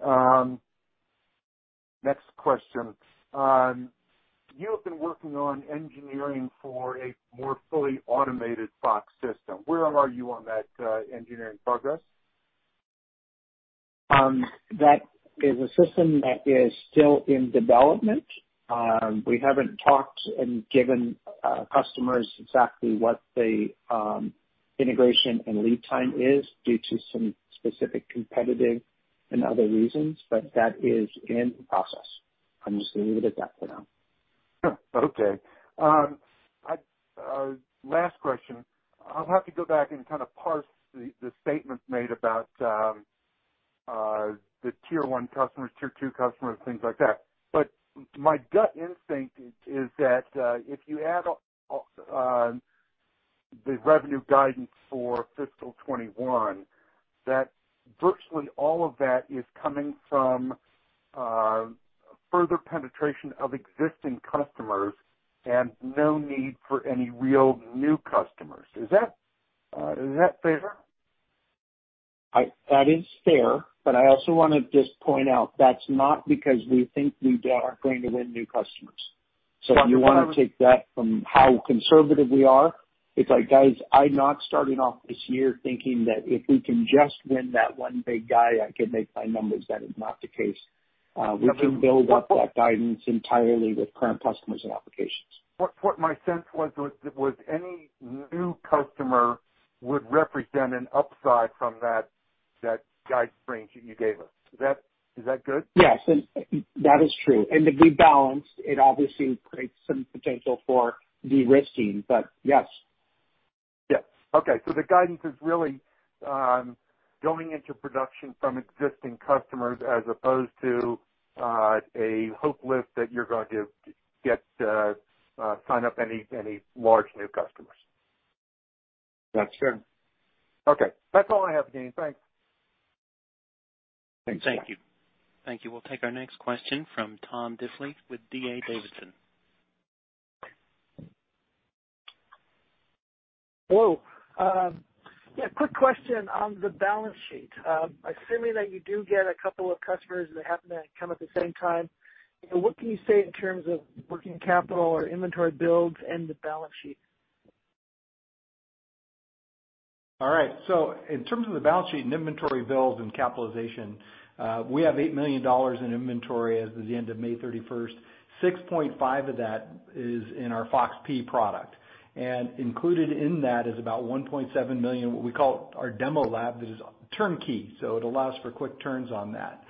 Next question. You have been working on engineering for a more fully automated FOX system. Where are you on that engineering progress? That is a system that is still in development. We haven't talked and given customers exactly what the integration and lead time is due to some specific competitive and other reasons, but that is in process. I'm just going to leave it at that for now. Okay. Last question. I'll have to go back and kind of parse the statements made about the tier 1 customers, tier 2 customers, things like that. My gut instinct is that if you add the revenue guidance for fiscal 2021, that virtually all of that is coming from further penetration of existing customers and no need for any real new customers. Is that fair? That is fair, I also want to just point out that's not because we think we aren't going to win new customers. If you want to take that from how conservative we are, it's like, guys, I'm not starting off this year thinking that if we can just win that one big guy, I can make my numbers. That is not the case. We can build up that guidance entirely with current customers and applications. What my sense was any new customer would represent an upside from that guide range that you gave us. Is that good? Yes. That is true. To be balanced, it obviously creates some potential for de-risking, but yes. Yes. Okay. The guidance is really going into production from existing customers as opposed to a hope list that you're going to sign up any large new customers. That's fair. Okay. That's all I have, Gayn. Thanks. Thanks. Thank you. We'll take our next question from Tom Diffely with D.A. Davidson. Hello. Yeah, quick question on the balance sheet. Assuming that you do get a couple of customers that happen to come at the same time, what can you say in terms of working capital or inventory builds and the balance sheet? All right. In terms of the balance sheet and inventory builds and capitalization, we have $8 million in inventory as of the end of May 31st. 6.5 of that is in our FOX-P product, and included in that is about $1.7 million, what we call our demo lab, that is turnkey. It allows for quick turns on that.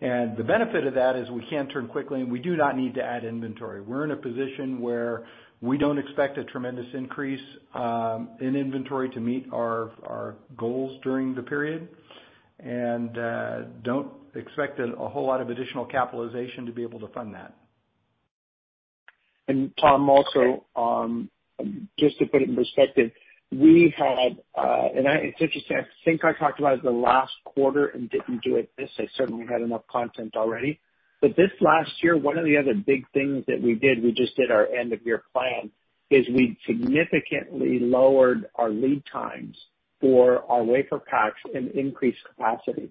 The benefit of that is we can turn quickly, and we do not need to add inventory. We're in a position where we don't expect a tremendous increase in inventory to meet our goals during the period, and don't expect a whole lot of additional capitalization to be able to fund that. Tom also, just to put it in perspective, we had, and it's interesting, I think I talked about it the last quarter and didn't do it this, I certainly had enough content already. This last year, one of the other big things that we did, we just did our end-of-year plan, is we significantly lowered our lead times for our wafer packs and increased capacity.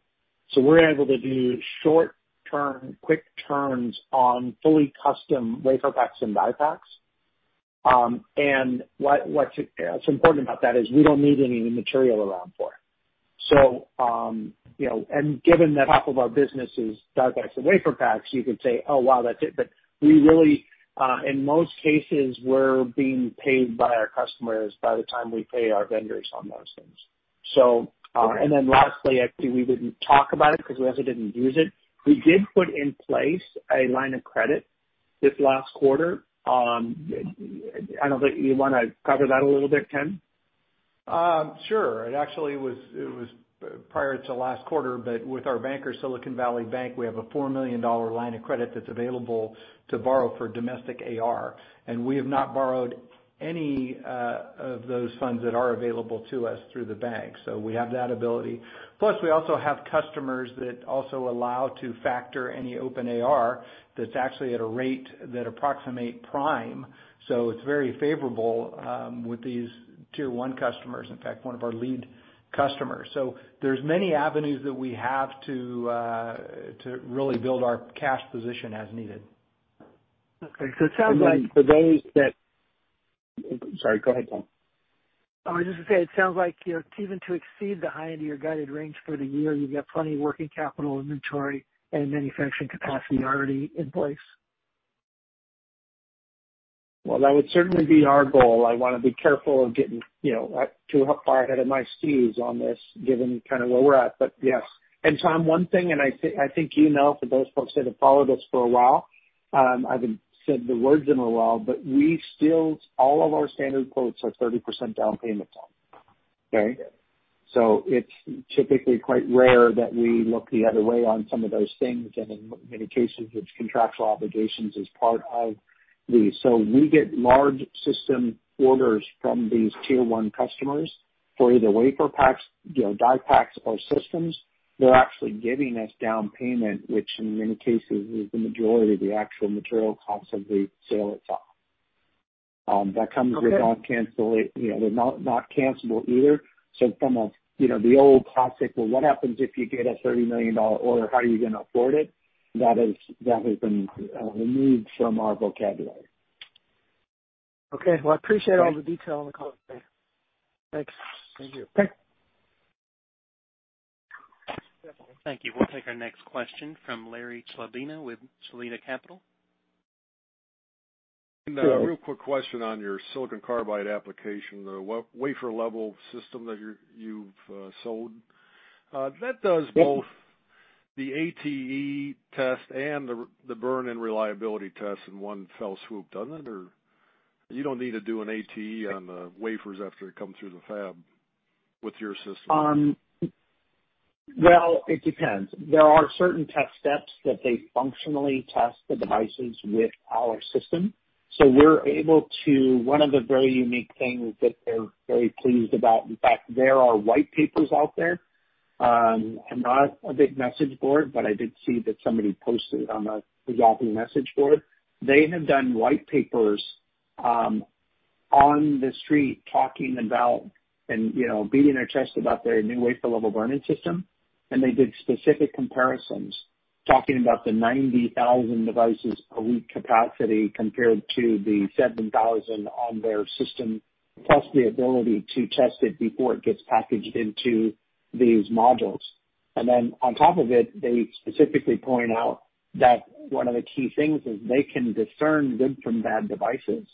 We're able to do short-term quick turns on fully custom wafer packs and die packs. What's important about that is we don't need any material around for it. Given that half of our business is die packs and wafer packs, you could say, "Oh, wow, that's it." We really, in most cases, we're being paid by our customers by the time we pay our vendors on those things. Lastly, actually, we didn't talk about it because we also didn't use it. We did put in place a line of credit this last quarter. I don't know, you want to cover that a little bit, Ken? Sure. It actually was prior to last quarter, but with our banker, Silicon Valley Bank, we have a $4 million line of credit that's available to borrow for domestic AR. We have not borrowed any of those funds that are available to us through the bank. We have that ability. Plus, we also have customers that also allow to factor any open AR that's actually at a rate that approximate prime, so it's very favorable with these tier 1 customers, in fact, one of our lead customers. There's many avenues that we have to really build our cash position as needed. Okay. It sounds like Sorry, go ahead, Tom. I was just going to say, it sounds like even to exceed the high end of your guided range for the year, you've got plenty of working capital inventory and manufacturing capacity already in place. Well, that would certainly be our goal. I want to be careful of getting too far ahead of my skis on this, given kind of where we're at. Yes. Tom, one thing, and I think you know for those folks that have followed us for a while, I haven't said the words in a while, but we still, all of our standard quotes are 30% down payment, Tom. Okay? Okay. It's typically quite rare that we look the other way on some of those things, and in many cases, with contractual obligations as part of these. We get large system orders from these tier 1 customers for either wafer packs, die packs, or systems. They're actually giving us down payment, which in many cases is the majority of the actual material cost of the sale itself. Okay. They're not cancelable either. From the old classic, "Well, what happens if you get a $30 million order? How are you going to afford it?" That has been removed from our vocabulary. Well, I appreciate all the detail on the call today. Thanks. Thank you. Thank you. We'll take our next question from Larry Klabunde with Solina Capital. Real quick question on your Silicon Carbide application, the wafer level system that you've sold. That does both the ATE test and the burn and reliability test in one fell swoop, doesn't it? You don't need to do an ATE on the wafers after it comes through the fab with your system? Well, it depends. There are certain test steps that they functionally test the devices with our system. One of the very unique things that they're very pleased about, in fact, there are white papers out there. I'm not a big message board, but I did see that somebody posted on the Yahoo message board. They have done white papers on the street talking about, and beating their chest about their new wafer level burn-in system. They did specific comparisons, talking about the 90,000 devices per week capacity compared to the 7,000 on their system, plus the ability to test it before it gets packaged into these modules. On top of it, they specifically point out that one of the key things is they can discern good from bad devices.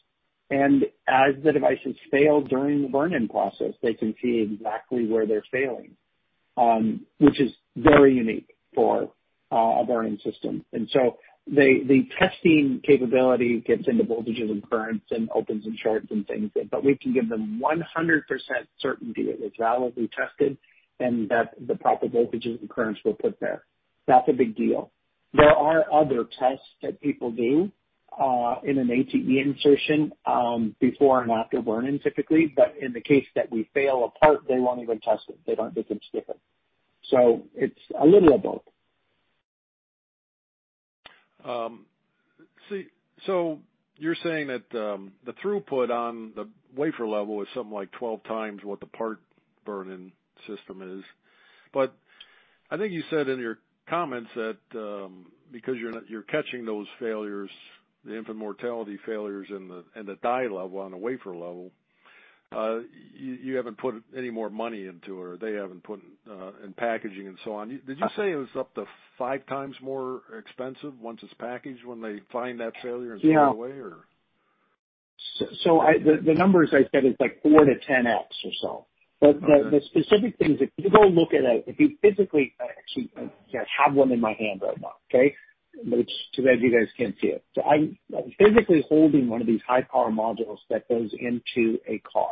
As the devices fail during the burn-in process, they can see exactly where they're failing, which is very unique for a burn-in system. The testing capability gets into voltages and currents, and opens and shorts and things. We can give them 100% certainty that it's validly tested, and that the proper voltages and currents were put there. That's a big deal. There are other tests that people do in an ATE insertion before and after burn-in typically, but in the case that we fail a part, they won't even test it. They don't think it's different. It's a little of both. You're saying that the throughput on the wafer level is something like 12 times what the part burn-in system is. I think you said in your comments that because you're catching those failures, the infant mortality failures in the die level on the wafer level, you haven't put any more money into it, or they haven't put in packaging and so on. Did you say it was up to five times more expensive once it's packaged when they find that failure and throw it away? The numbers I said is 4 to 10x or so. The specific things, if you go look at I actually have one in my hand right now, okay? Too bad you guys can't see it. I'm physically holding one of these high power modules that goes into a car.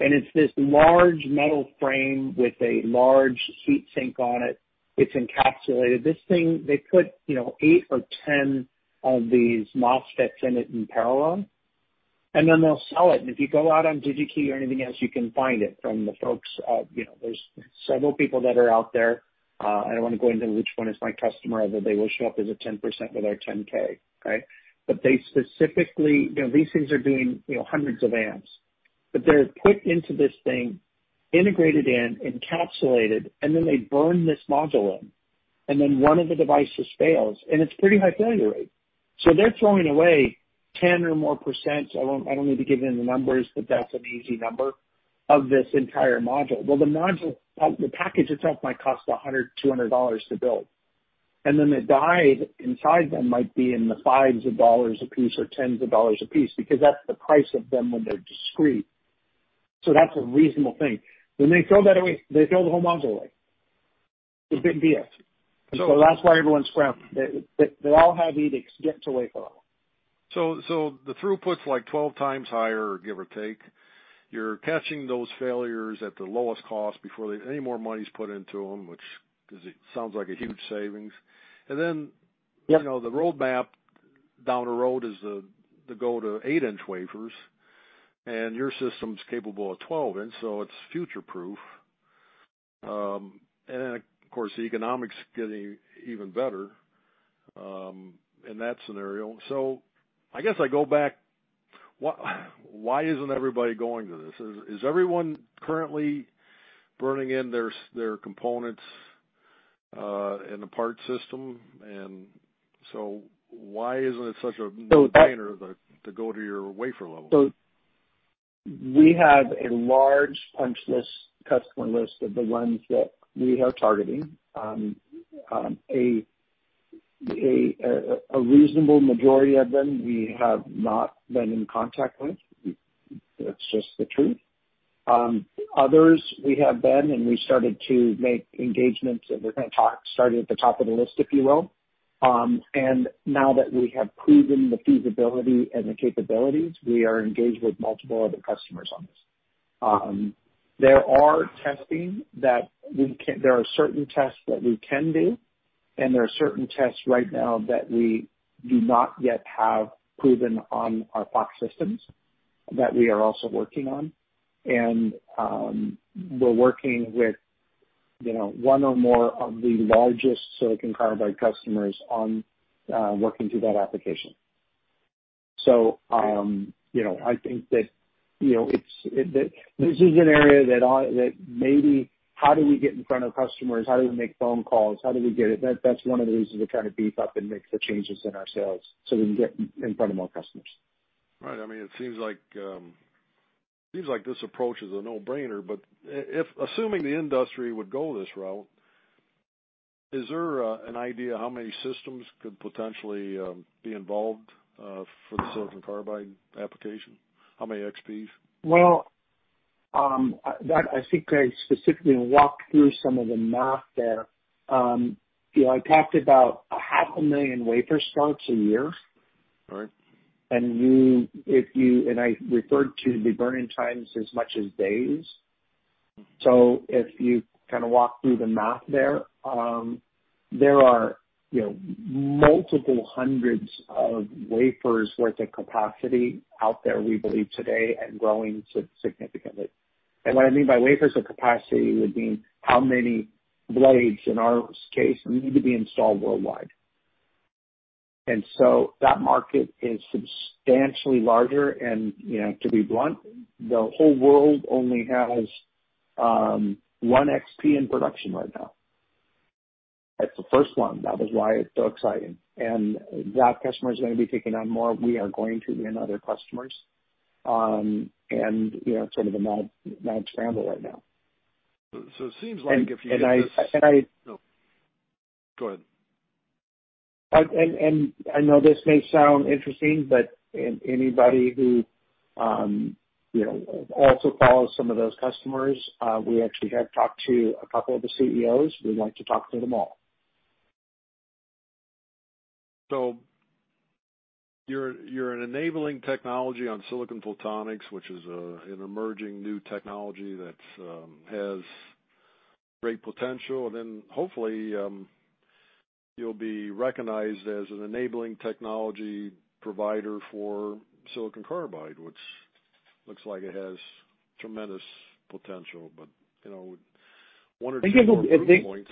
It's this large metal frame with a large heat sink on it. It's encapsulated. This thing, they put 8 or 10 of these MOSFETs in it in parallel, and then they'll sell it. If you go out on Digi-Key or anything else, you can find it from the folks. There's several people that are out there. I don't want to go into which one is my customer, although they will show up as a 10% with our 10-K, right? These things are doing hundreds of amps. They're put into this thing, integrated in, encapsulated, and then they burn this module in, and then one of the devices fails, and it's pretty high failure rate. They're throwing away 10% or more, I don't need to give you the numbers, but that's an easy number, of this entire module. The package itself might cost $100, $200 to build. The die inside them might be in the fives of dollars a piece or tens of dollars a piece, because that's the price of them when they're discrete. That's a reasonable thing. When they throw that away, they throw the whole module away. It's a big deal. That's why everyone's scrambling. They all have edicts get to wafer level. The throughput's like 12 times higher, give or take. You're catching those failures at the lowest cost before any more money's put into them, which sounds like a huge savings. Yep The roadmap down the road is to go to 8-inch wafers, your system's capable of 12-inch, so it's future proof. Of course, the economics getting even better in that scenario. I guess I go back, why isn't everybody going to this? Is everyone currently burning in their components in the parts system? Why isn't it such a no-brainer to go to your wafer level? We have a large punch list, customer list of the ones that we are targeting. A reasonable majority of them we have not been in contact with. That's just the truth. Others we have been, and we started to make engagements, and we're going to talk, starting at the top of the list, if you will. Now that we have proven the feasibility and the capabilities, we are engaged with multiple other customers on this. There are certain tests that we can do, and there are certain tests right now that we do not yet have proven on our FOX systems that we are also working on. We're working with one or more of the largest Silicon Carbide customers on working through that application. I think that this is an area that maybe how do we get in front of customers? How do we make phone calls? How do we get it? That's one of the reasons to kind of beef up and make the changes in our sales so we can get in front of more customers. Right. It seems like this approach is a no-brainer, but assuming the industry would go this route, is there an idea how many systems could potentially be involved for the Silicon Carbide application? How many XPs? Well, I think I specifically walked through some of the math there. I talked about 500,000 wafer starts a year. Right. I referred to the burn-in times as much as days. If you kind of walk through the math there. There are multiple hundreds of wafers worth of capacity out there, we believe today, and growing significantly. What I mean by wafers of capacity would be how many blades, in our case, need to be installed worldwide. That market is substantially larger and, to be blunt, the whole world only has one XP in production right now. That's the first one. That is why it's so exciting. That customer is going to be taking on more. We are going to win other customers. It's sort of a mad scramble right now. It seems like if you get this. And I- No. Go ahead. I know this may sound interesting, but anybody who also follows some of those customers, we actually have talked to a couple of the CEOs. We'd like to talk to them all. You're an enabling technology on silicon photonics, which is an emerging new technology that has great potential. Hopefully, you'll be recognized as an enabling technology provider for Silicon Carbide, which looks like it has tremendous potential, but one or two more proof points.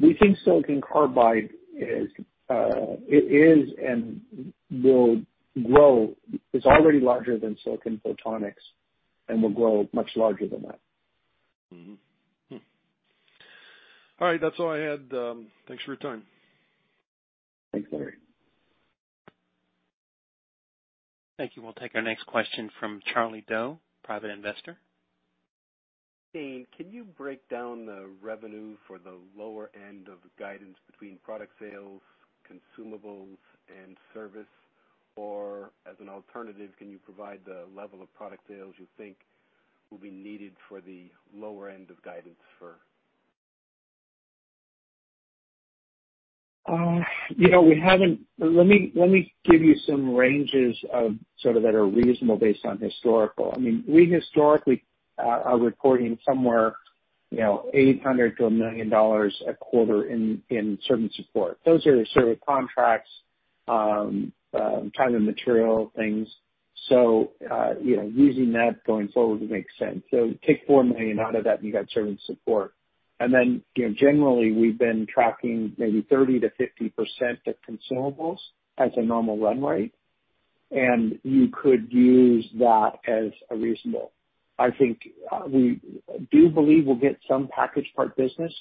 We think Silicon Carbide is and will grow. It's already larger than silicon photonics and will grow much larger than that. Mm-hmm. All right. That's all I had. Thanks for your time. Thanks, Larry. Thank you. We'll take our next question from Charlie Doe, private investor. Can you break down the revenue for the lower end of the guidance between product sales, consumables, and service? As an alternative, can you provide the level of product sales you think will be needed for the lower end of guidance for Let me give you some ranges that are reasonable based on historical. We historically are recording somewhere $800,000-$1 million a quarter in service support. Those are the service contracts, time and material things. Using that going forward makes sense. Take $4 million out of that and you got service support. Generally, we've been tracking maybe 30%-50% of consumables as a normal run rate, and you could use that as a reasonable. I think we do believe we'll get some package part business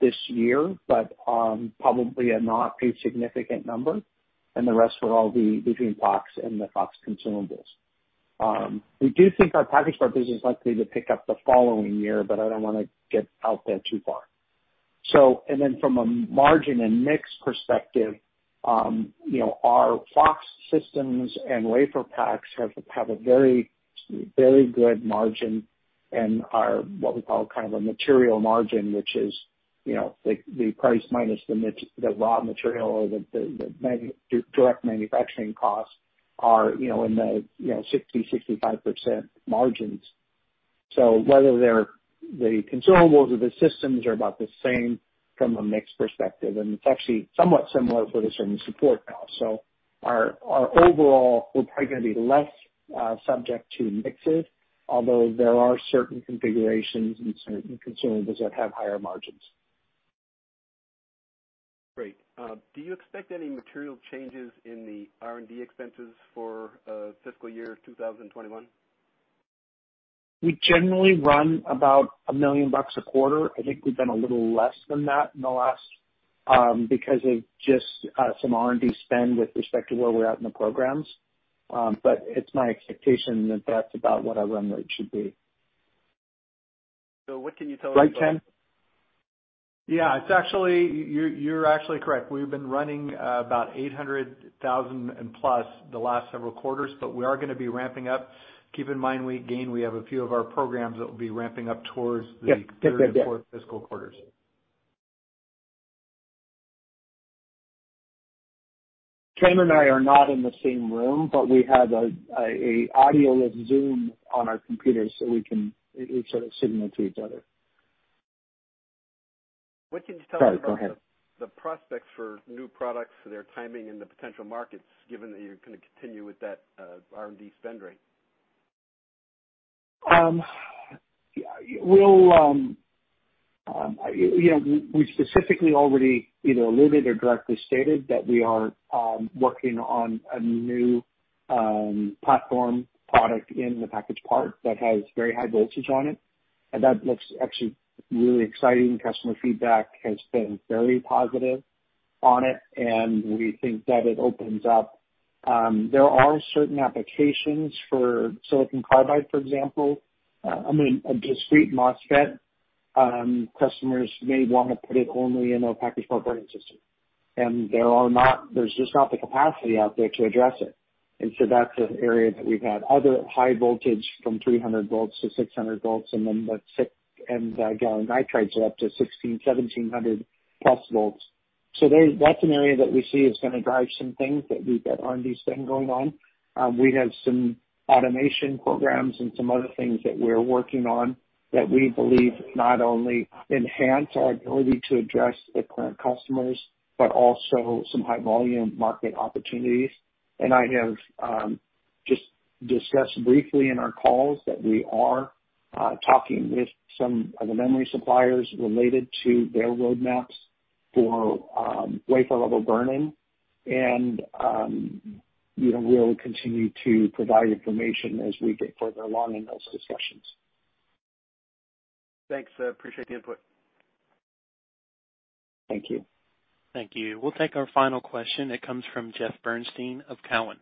this year, but probably not a significant number. The rest will all be between FOX and the FOX consumables. We do think our package part business is likely to pick up the following year, but I don't want to get out there too far. From a margin and mix perspective, our FOX systems and wafer packs have a very good margin and are what we call kind of a material margin, which is the price minus the raw material or the direct manufacturing costs are in the 60%-65% margins. Whether they're the consumables or the systems are about the same from a mix perspective, and it's actually somewhat similar for the service support now. Our overall, we're probably going to be less subject to mixes, although there are certain configurations and certain consumables that have higher margins. Great. Do you expect any material changes in the R&D expenses for fiscal year 2021? We generally run about $1 million a quarter. I think we've done a little less than that in the last because of just some R&D spend with respect to where we're at in the programs. It's my expectation that that's about what our run rate should be. what can you tell me about- Right, Ken? Yeah, you're actually correct. We've been running about 800,000 and plus the last several quarters. We are going to be ramping up. Keep in mind, we have a few of our programs that will be ramping up. Yes. That they did. third and fourth fiscal quarters. Ken and I are not in the same room, but we have a audio Zoom on our computer, so we can each sort of signal to each other. What can you tell me about? Sorry, go ahead. the prospects for new products, their timing, and the potential markets, given that you're going to continue with that R&D spend rate? We specifically already either alluded or directly stated that we are working on a new platform product in the package part that has very high voltage on it. That looks actually really exciting. Customer feedback has been very positive on it, and we think that it opens up. There are certain applications for Silicon Carbide, for example. I mean, a discrete MOSFET. Customers may want to put it only in a package part burn-in system. There's just not the capacity out there to address it. That's an area that we've had other high voltage from 300 volts to 600 volts, and then the SiC and gallium nitrides are up to 1,600, 1,700 plus volts. That's an area that we see is going to drive some things, that we've got R&D spend going on. We have some automation programs and some other things that we're working on that we believe not only enhance our ability to address equipment customers, but also some high-volume market opportunities. I have just discussed briefly in our calls that we are talking with some of the memory suppliers related to their roadmaps for wafer level burn-in, and we'll continue to provide information as we get further along in those discussions. Thanks. Appreciate the input. Thank you. Thank you. We'll take our final question. It comes from Jeffrey Bernstein of Cowen.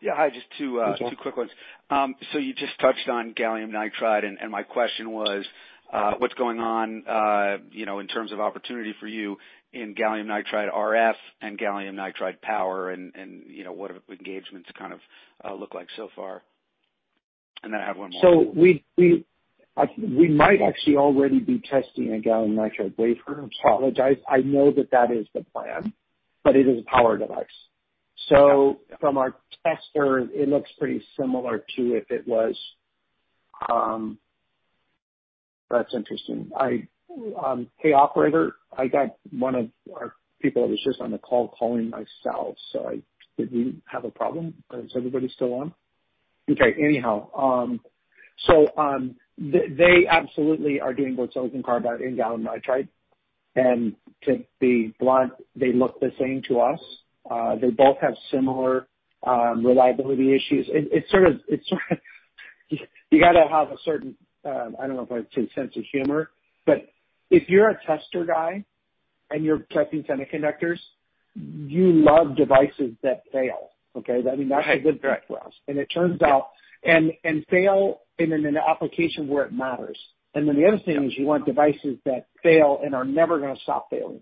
Yeah. Hi, Hi, Jeff. Two quick ones. You just touched on gallium nitride, and my question was, what's going on in terms of opportunity for you in gallium nitride RF and gallium nitride power, and what have engagements kind of looked like so far? I have one more. We might actually already be testing a gallium nitride wafer. Apologize. I know that that is the plan, but it is a power device. Okay. That's interesting. Hey, operator. I got one of our people that was just on the call calling myself. Did we have a problem? Is everybody still on? Okay. Anyhow, they absolutely are doing both Silicon Carbide and gallium nitride. To be blunt, they look the same to us. They both have similar reliability issues. You got to have a certain, I don't know if I'd say sense of humor, but if you're a tester guy and you're testing semiconductors, you love devices that fail. Okay? I mean, that's a good thing for us. Right. Fail in an application where it matters. The other thing is you want devices that fail and are never going to stop failing.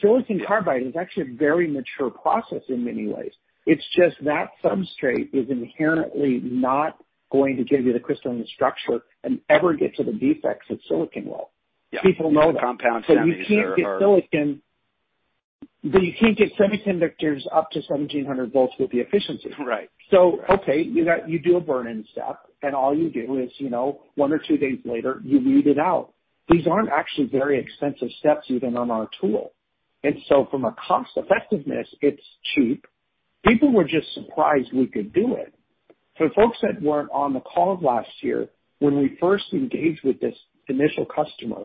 Silicon Carbide is actually a very mature process in many ways. It's just that substrate is inherently not going to give you the crystalline structure and ever get to the defects that silicon will. Yeah. People know that. The compound semis are. You can't get silicon, but you can't get semiconductors up to 1,700 volts with the efficiency. Right. Okay, you do a burn-in step, and all you do is one or two days later, you read it out. These aren't actually very expensive steps even on our tool. From a cost effectiveness, it's cheap. People were just surprised we could do it. For folks that weren't on the call last year, when we first engaged with this initial customer,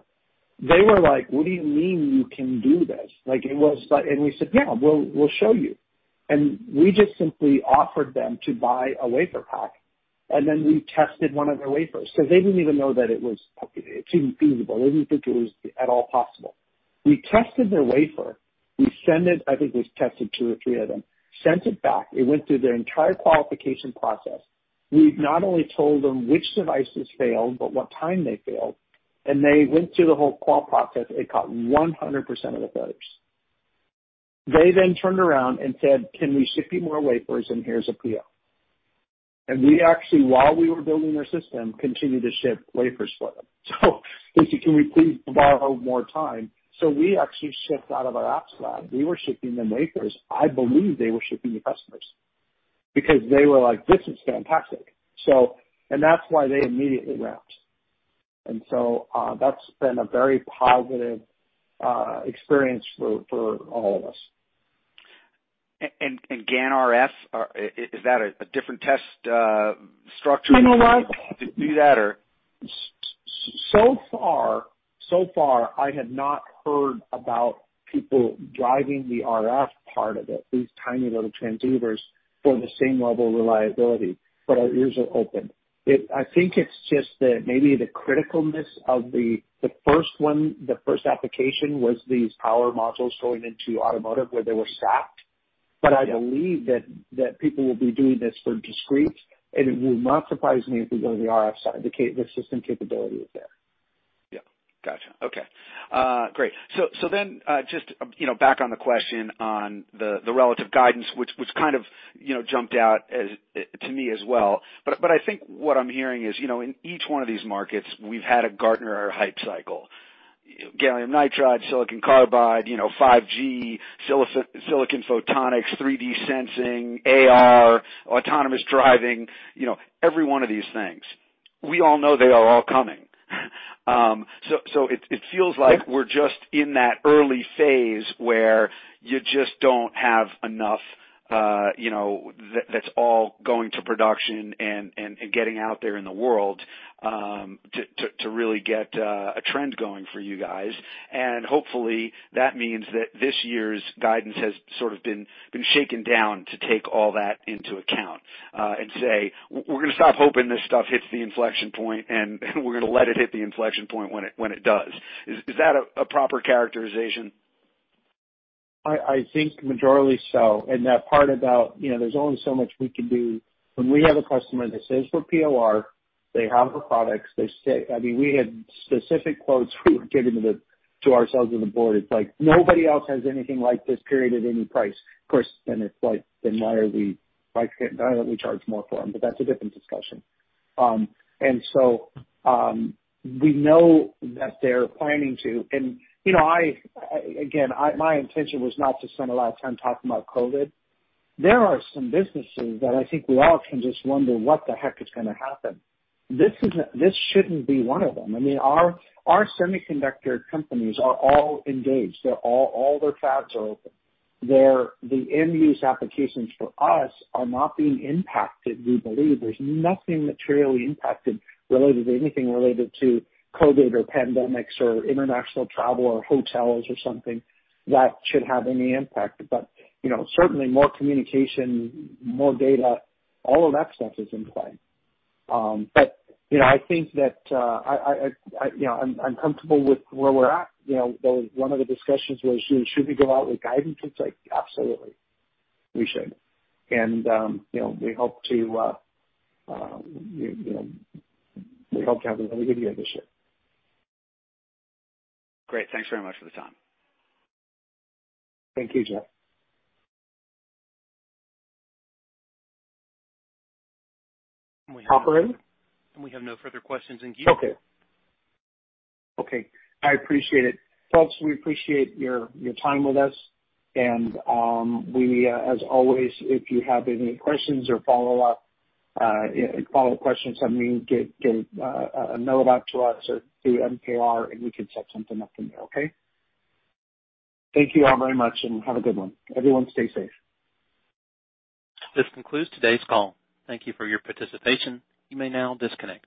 they were like, "What do you mean you can do this?" We said, "Yeah, we'll show you." We just simply offered them to buy a wafer pack, and then we tested one of their wafers. They didn't even know that it seemed feasible. They didn't think it was at all possible. We tested their wafer. We send it, I think we tested two or three of them, sent it back. It went through their entire qualification process. We not only told them which devices failed, but what time they failed. They went through the whole qual process. It caught 100% of the failures. They then turned around and said, "Can we ship you more wafers? And here's a PO." We actually, while we were building our system, continued to ship wafers for them. They said, "Can we please borrow more time?" We actually shipped out of our apps lab. We were shipping them wafers. I believe they were shipping to customers because they were like, "This is fantastic." That's why they immediately ramped. That's been a very positive experience for all of us. GaN RF, is that a different test structure? Kind of like to do that or? Far, I have not heard about people driving the RF part of it, these tiny little transceivers, for the same level of reliability, but our ears are open. I think it's just that maybe the criticalness of the first one, the first application was these power modules going into automotive where they were stacked. I believe that people will be doing this for discrete, and it will not surprise me if we go to the RF side. The system capability is there. Yeah. Got you. Okay. Great. Just back on the question on the relative guidance, which kind of jumped out to me as well, but I think what I'm hearing is, in each one of these markets, we've had a Gartner hype cycle. Gallium nitride, Silicon Carbide, 5G, silicon photonics, 3D sensing, AR, autonomous driving, every one of these things. We all know they are all coming. It feels like we're just in that early phase where you just don't have enough that's all going to production and getting out there in the world to really get a trend going for you guys. Hopefully, that means that this year's guidance has sort of been shaken down to take all that into account, and say, "We're going to stop hoping this stuff hits the inflection point, and we're going to let it hit the inflection point when it does." Is that a proper characterization? I think majorly so, and that part about there's only so much we can do. When we have a customer that says we're POR, they have the products. I mean, we had specific quotes we were giving to ourselves and the board. It's like, "Nobody else has anything like this, period, at any price." Of course, then it's like, then why can't we charge more for them? That's a different discussion. We know that they're planning to, and again, my intention was not to spend a lot of time talking about COVID. There are some businesses that I think we all can just wonder what the heck is going to happen. This shouldn't be one of them. I mean, our semiconductor companies are all engaged. All their fabs are open. The end-use applications for us are not being impacted. We believe there's nothing materially impacted related to anything related to COVID or pandemics or international travel or hotels or something that should have any impact. Certainly more communication, more data, all of that stuff is in play. I think that I'm comfortable with where we're at. One of the discussions was, "Should we go out with guidance?" It's like, absolutely, we should. We hope to have a really good year this year. Great. Thanks very much for the time. Thank you, Jeff. Operator? We have no further questions in queue. Okay. Okay, I appreciate it. Folks, we appreciate your time with us. As always, if you have any questions or follow-up questions, send me, get a note out to us or through MKR, and we can set something up from there. Okay? Thank you all very much, and have a good one. Everyone, stay safe. This concludes today's call. Thank you for your participation. You may now disconnect.